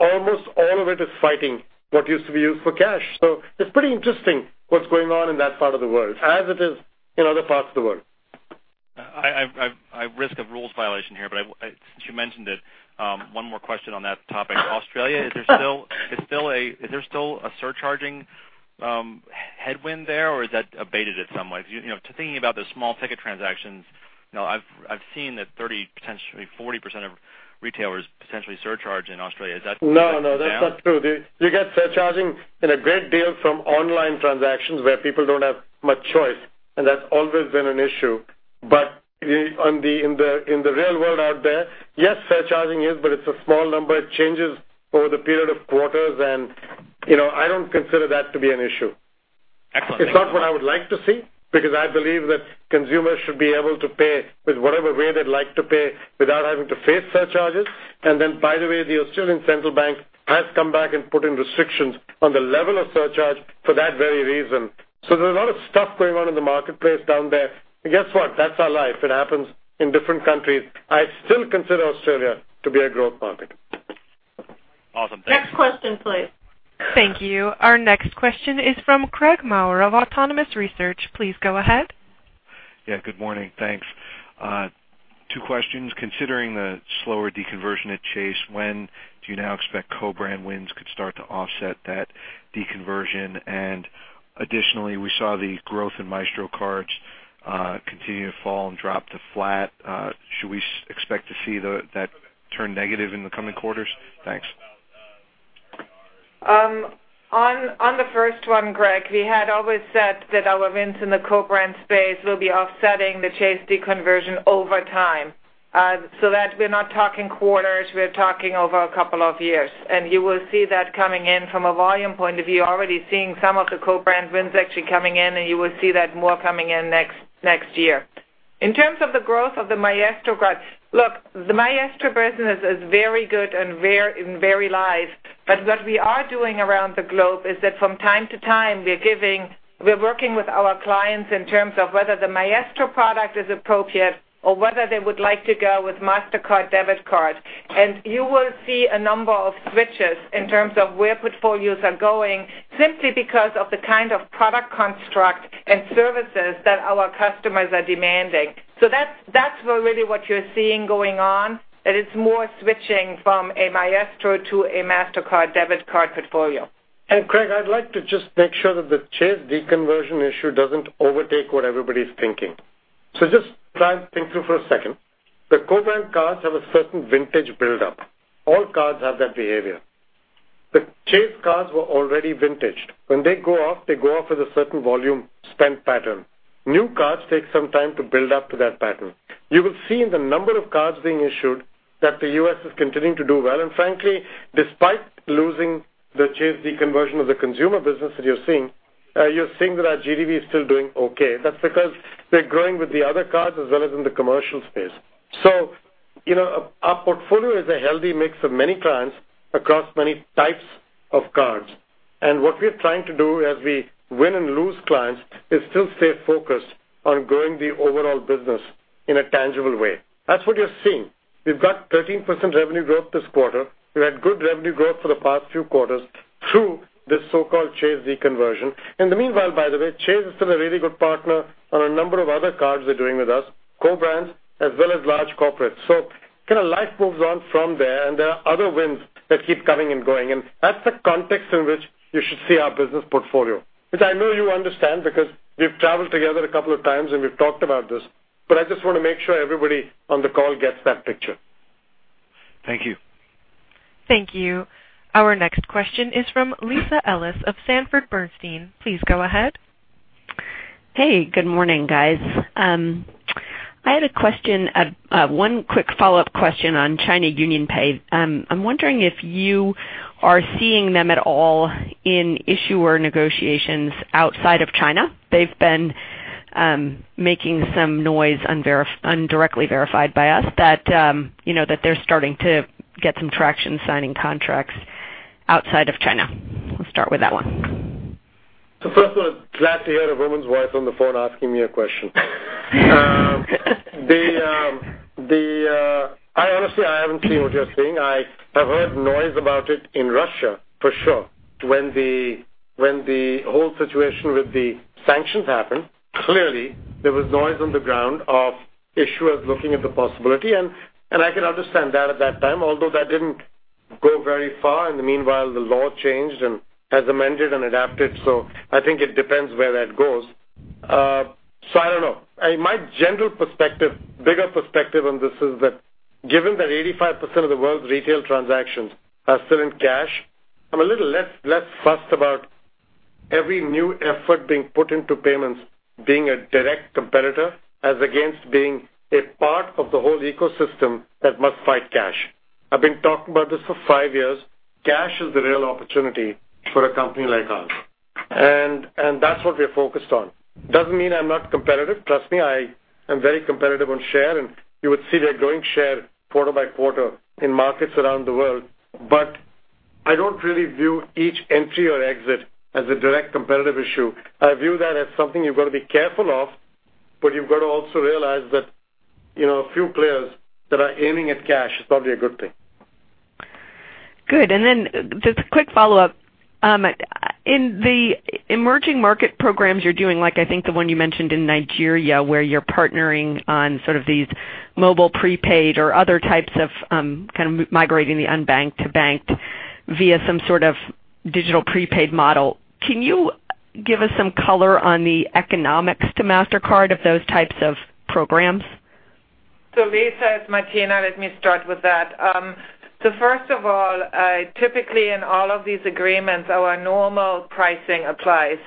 Almost all of it is fighting what used to be used for cash. It's pretty interesting what's going on in that part of the world as it is in other parts of the world. I risk a rules violation here, since you mentioned it, one more question on that topic. Australia, is there still a surcharging headwind there, or is that abated it somewhat? Thinking about the small ticket transactions, I've seen that 30%, potentially 40% of retailers potentially surcharge in Australia. Is that coming down? No, that's not true. You get surcharging in a great deal from online transactions where people don't have much choice, that's always been an issue. In the real world out there, yes, surcharging is, but it's a small number. It changes over the period of quarters, I don't consider that to be an issue. Excellent. Thank you. It's not what I would like to see because I believe that consumers should be able to pay with whatever way they'd like to pay without having to face surcharges. Then, by the way, the Australian Central Bank has come back and put in restrictions on the level of surcharge for that very reason. There's a lot of stuff going on in the marketplace down there. Guess what? That's our life. It happens in different countries. I still consider Australia to be a growth market. Awesome. Thank you. Next question, please. Thank you. Our next question is from Craig Maurer of Autonomous Research. Please go ahead. Yeah, good morning. Thanks. Two questions. Considering the slower deconversion at Chase, when do you now expect co-brand wins could start to offset that deconversion? Additionally, we saw the growth in Maestro cards continue to fall and drop to flat. Should we expect to see that turn negative in the coming quarters? Thanks. On the first one, Craig, we had always said that our wins in the co-brand space will be offsetting the Chase deconversion over time. That we're not talking quarters, we're talking over a couple of years. You will see that coming in from a volume point of view. Already seeing some of the co-brand wins actually coming in, and you will see that more coming in next year. In terms of the growth of the Maestro cards, look, the Maestro business is very good and very live. What we are doing around the globe is that from time to time, we're working with our clients in terms of whether the Maestro product is appropriate or whether they would like to go with Mastercard Debit card. You will see a number of switches in terms of where portfolios are going simply because of the kind of product construct and services that our customers are demanding. That's really what you're seeing going on, that it's more switching from a Maestro to a Mastercard Debit card portfolio. Craig, I'd like to just make sure that the Chase deconversion issue doesn't overtake what everybody's thinking. Just try and think through for a second. The co-brand cards have a certain vintage build-up. All cards have that behavior. The Chase cards were already vintaged. When they go off, they go off with a certain volume spend pattern. New cards take some time to build up to that pattern. You will see in the number of cards being issued that the U.S. is continuing to do well. Frankly, despite losing the Chase deconversion of the consumer business that you're seeing, you're seeing that our GDV is still doing okay. That's because we're growing with the other cards as well as in the commercial space. Our portfolio is a healthy mix of many clients across many types of cards. What we're trying to do as we win and lose clients is still stay focused on growing the overall business in a tangible way. That's what you're seeing. We've got 13% revenue growth this quarter. We had good revenue growth for the past few quarters through this so-called Chase deconversion. In the meanwhile, by the way, Chase is still a really good partner on a number of other cards they're doing with us, co-brands, as well as large corporates. Life moves on from there, and there are other wins that keep coming and going. That's the context in which you should see our business portfolio. Which I know you understand because we've traveled together a couple of times, and we've talked about this, but I just want to make sure everybody on the call gets that picture. Thank you. Thank you. Our next question is from Lisa Ellis of Sanford C. Bernstein. Please go ahead. Hey, good morning, guys. I had one quick follow-up question on China UnionPay. I'm wondering if you are seeing them at all in issuer negotiations outside of China. They've been making some noise, indirectly verified by us, that they're starting to get some traction signing contracts outside of China. Let's start with that one. First of all, glad to hear a woman's voice on the phone asking me a question. Honestly, I haven't seen what you're seeing. I have heard noise about it in Russia, for sure. When the whole situation with the sanctions happened, clearly, there was noise on the ground of issuers looking at the possibility, I can understand that at that time, although that didn't go very far. In the meanwhile, the law changed and has amended and adapted. I think it depends where that goes. I don't know. My general perspective, bigger perspective on this is that given that 85% of the world's retail transactions are still in cash, I'm a little less fussed about every new effort being put into payments being a direct competitor as against being a part of the whole ecosystem that must fight cash. I've been talking about this for five years. Cash is the real opportunity for a company like ours. That's what we're focused on. Doesn't mean I'm not competitive. Trust me, I am very competitive on share, and you would see we are growing share quarter by quarter in markets around the world. I don't really view each entry or exit as a direct competitive issue. I view that as something you've got to be careful of, but you've got to also realize that a few players that are aiming at cash is probably a good thing. Good. Just a quick follow-up. In the emerging market programs you're doing, like I think the one you mentioned in Nigeria, where you're partnering on sort of these mobile prepaid or other types of kind of migrating the unbanked to banked via some sort of digital prepaid model. Can you give us some color on the economics to Mastercard of those types of programs? Lisa, it's Martina. Let me start with that. First of all, typically in all of these agreements, our normal pricing applies.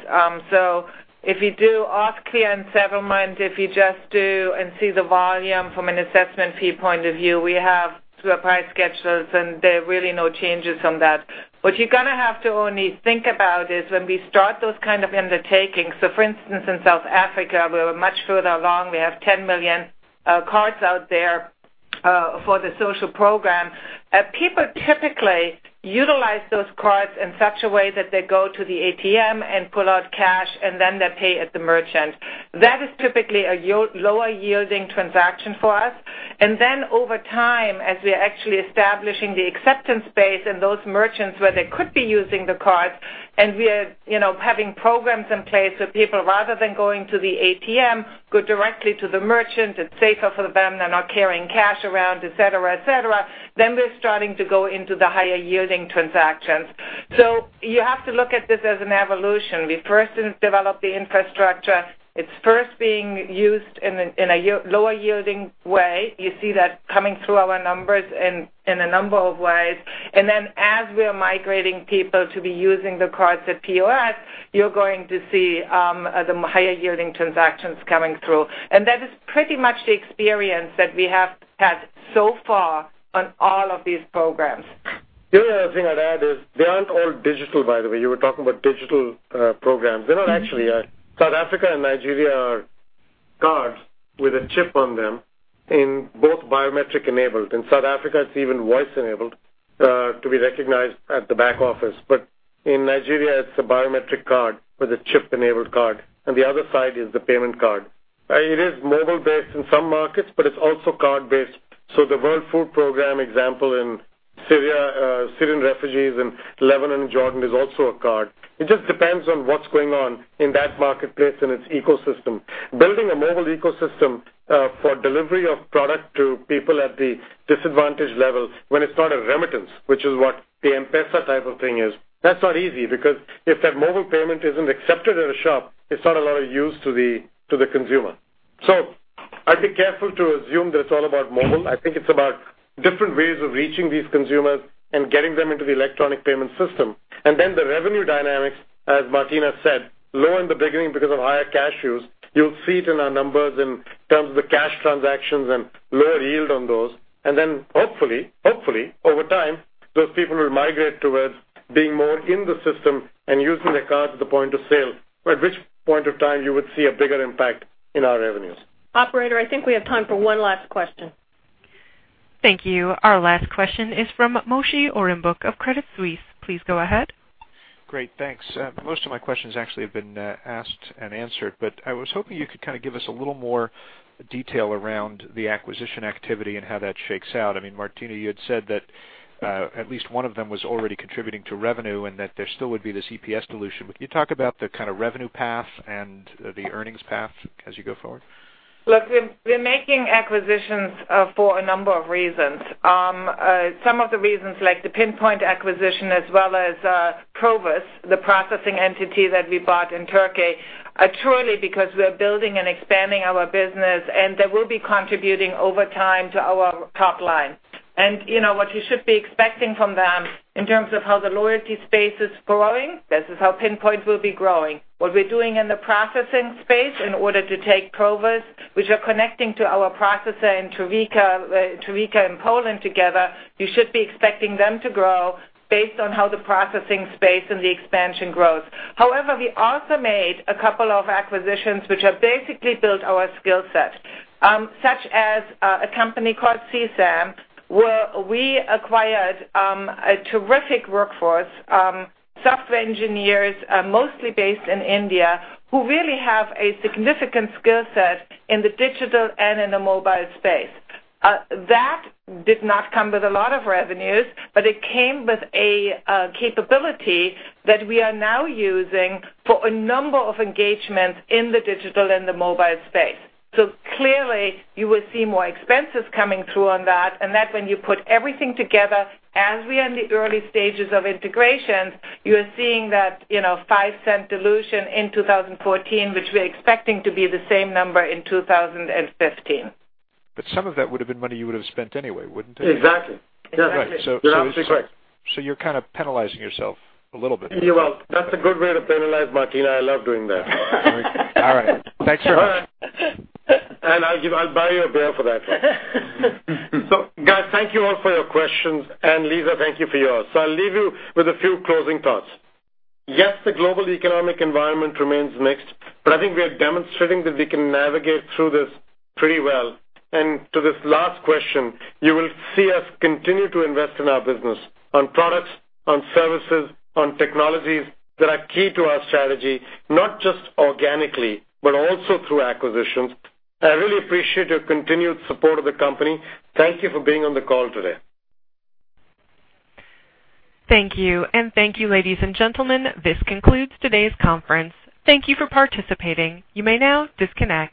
If you do off-clear and settlement, if you just do and see the volume from an assessment fee point of view, we have to apply schedules and there are really no changes on that. What you're going to have to only think about is when we start those kind of undertakings, for instance, in South Africa, we're much further along. We have 10 million cards out there for the social program. People typically utilize those cards in such a way that they go to the ATM and pull out cash, and then they pay at the merchant. That is typically a lower-yielding transaction for us. Over time, as we're actually establishing the acceptance base and those merchants where they could be using the cards, and we're having programs in place where people rather than going to the ATM, go directly to the merchant. It's safer for them. They're not carrying cash around, et cetera. We're starting to go into the higher-yielding transactions. You have to look at this as an evolution. We first develop the infrastructure. It's first being used in a lower-yielding way. You see that coming through our numbers in a number of ways. As we're migrating people to be using the cards at POS, you're going to see the higher-yielding transactions coming through. That is pretty much the experience that we have had so far on all of these programs. The only other thing I'd add is they aren't all digital, by the way. You were talking about digital programs. They're not actually. South Africa and Nigeria are cards with a chip on them and both biometric enabled. In South Africa, it's even voice enabled to be recognized at the back office. In Nigeria, it's a biometric card with a chip-enabled card, and the other side is the payment card. It is mobile-based in some markets, but it's also card-based. The World Food Programme example in Syrian refugees in Lebanon and Jordan is also a card. It just depends on what's going on in that marketplace and its ecosystem. Building a mobile ecosystem for delivery of product to people at the disadvantaged level when it's not a remittance, which is what the M-PESA type of thing is. That's not easy, because if that mobile payment isn't accepted at a shop, it's not a lot of use to the consumer. I'd be careful to assume that it's all about mobile. I think it's about different ways of reaching these consumers and getting them into the electronic payment system. The revenue dynamics, as Martina said, low in the beginning because of higher cash use. You'll see it in our numbers in terms of the cash transactions and lower yield on those. Hopefully, over time, those people will migrate towards being more in the system and using their card at the point of sale. At which point of time you would see a bigger impact in our revenues. Operator, I think we have time for one last question. Thank you. Our last question is from Moshe Orenbuch of Credit Suisse. Please go ahead. Great. Thanks. Most of my questions actually have been asked and answered. I was hoping you could kind of give us a little more detail around the acquisition activity and how that shakes out. I mean, Martina, you had said that at least one of them was already contributing to revenue and that there still would be this EPS dilution. Can you talk about the kind of revenue path and the earnings path as you go forward? Look, we're making acquisitions for a number of reasons. Some of the reasons, like the Pinpoint acquisition as well as Provus, the processing entity that we bought in Turkey, are truly because we are building and expanding our business, and they will be contributing over time to our top line. What you should be expecting from them in terms of how the loyalty space is growing, this is how Pinpoint will be growing. What we're doing in the processing space in order to take Provus, which are connecting to our processor in Trevica and Poland together, you should be expecting them to grow based on how the processing space and the expansion grows. However, we also made a couple of acquisitions which have basically built our skill set. Such as a company called C-SAM, where we acquired a terrific workforce, software engineers, mostly based in India, who really have a significant skill set in the digital and in the mobile space. That did not come with a lot of revenues, but it came with a capability that we are now using for a number of engagements in the digital and the mobile space. Clearly you will see more expenses coming through on that, and that when you put everything together as we are in the early stages of integration, you are seeing that $0.05 dilution in 2014, which we are expecting to be the same number in 2015. Some of that would have been money you would have spent anyway, wouldn't it? Exactly. Right. You're absolutely correct. You're kind of penalizing yourself a little bit here. Well, that's a good way to penalize, Martina. I love doing that. All right. Thanks. I'll buy you a beer for that one. Guys, thank you all for your questions, and Lisa, thank you for yours. I'll leave you with a few closing thoughts. Yes, the global economic environment remains mixed, but I think we are demonstrating that we can navigate through this pretty well. To this last question, you will see us continue to invest in our business on products, on services, on technologies that are key to our strategy, not just organically, but also through acquisitions. I really appreciate your continued support of the company. Thank you for being on the call today. Thank you. Thank you, ladies and gentlemen, this concludes today's conference. Thank you for participating. You may now disconnect.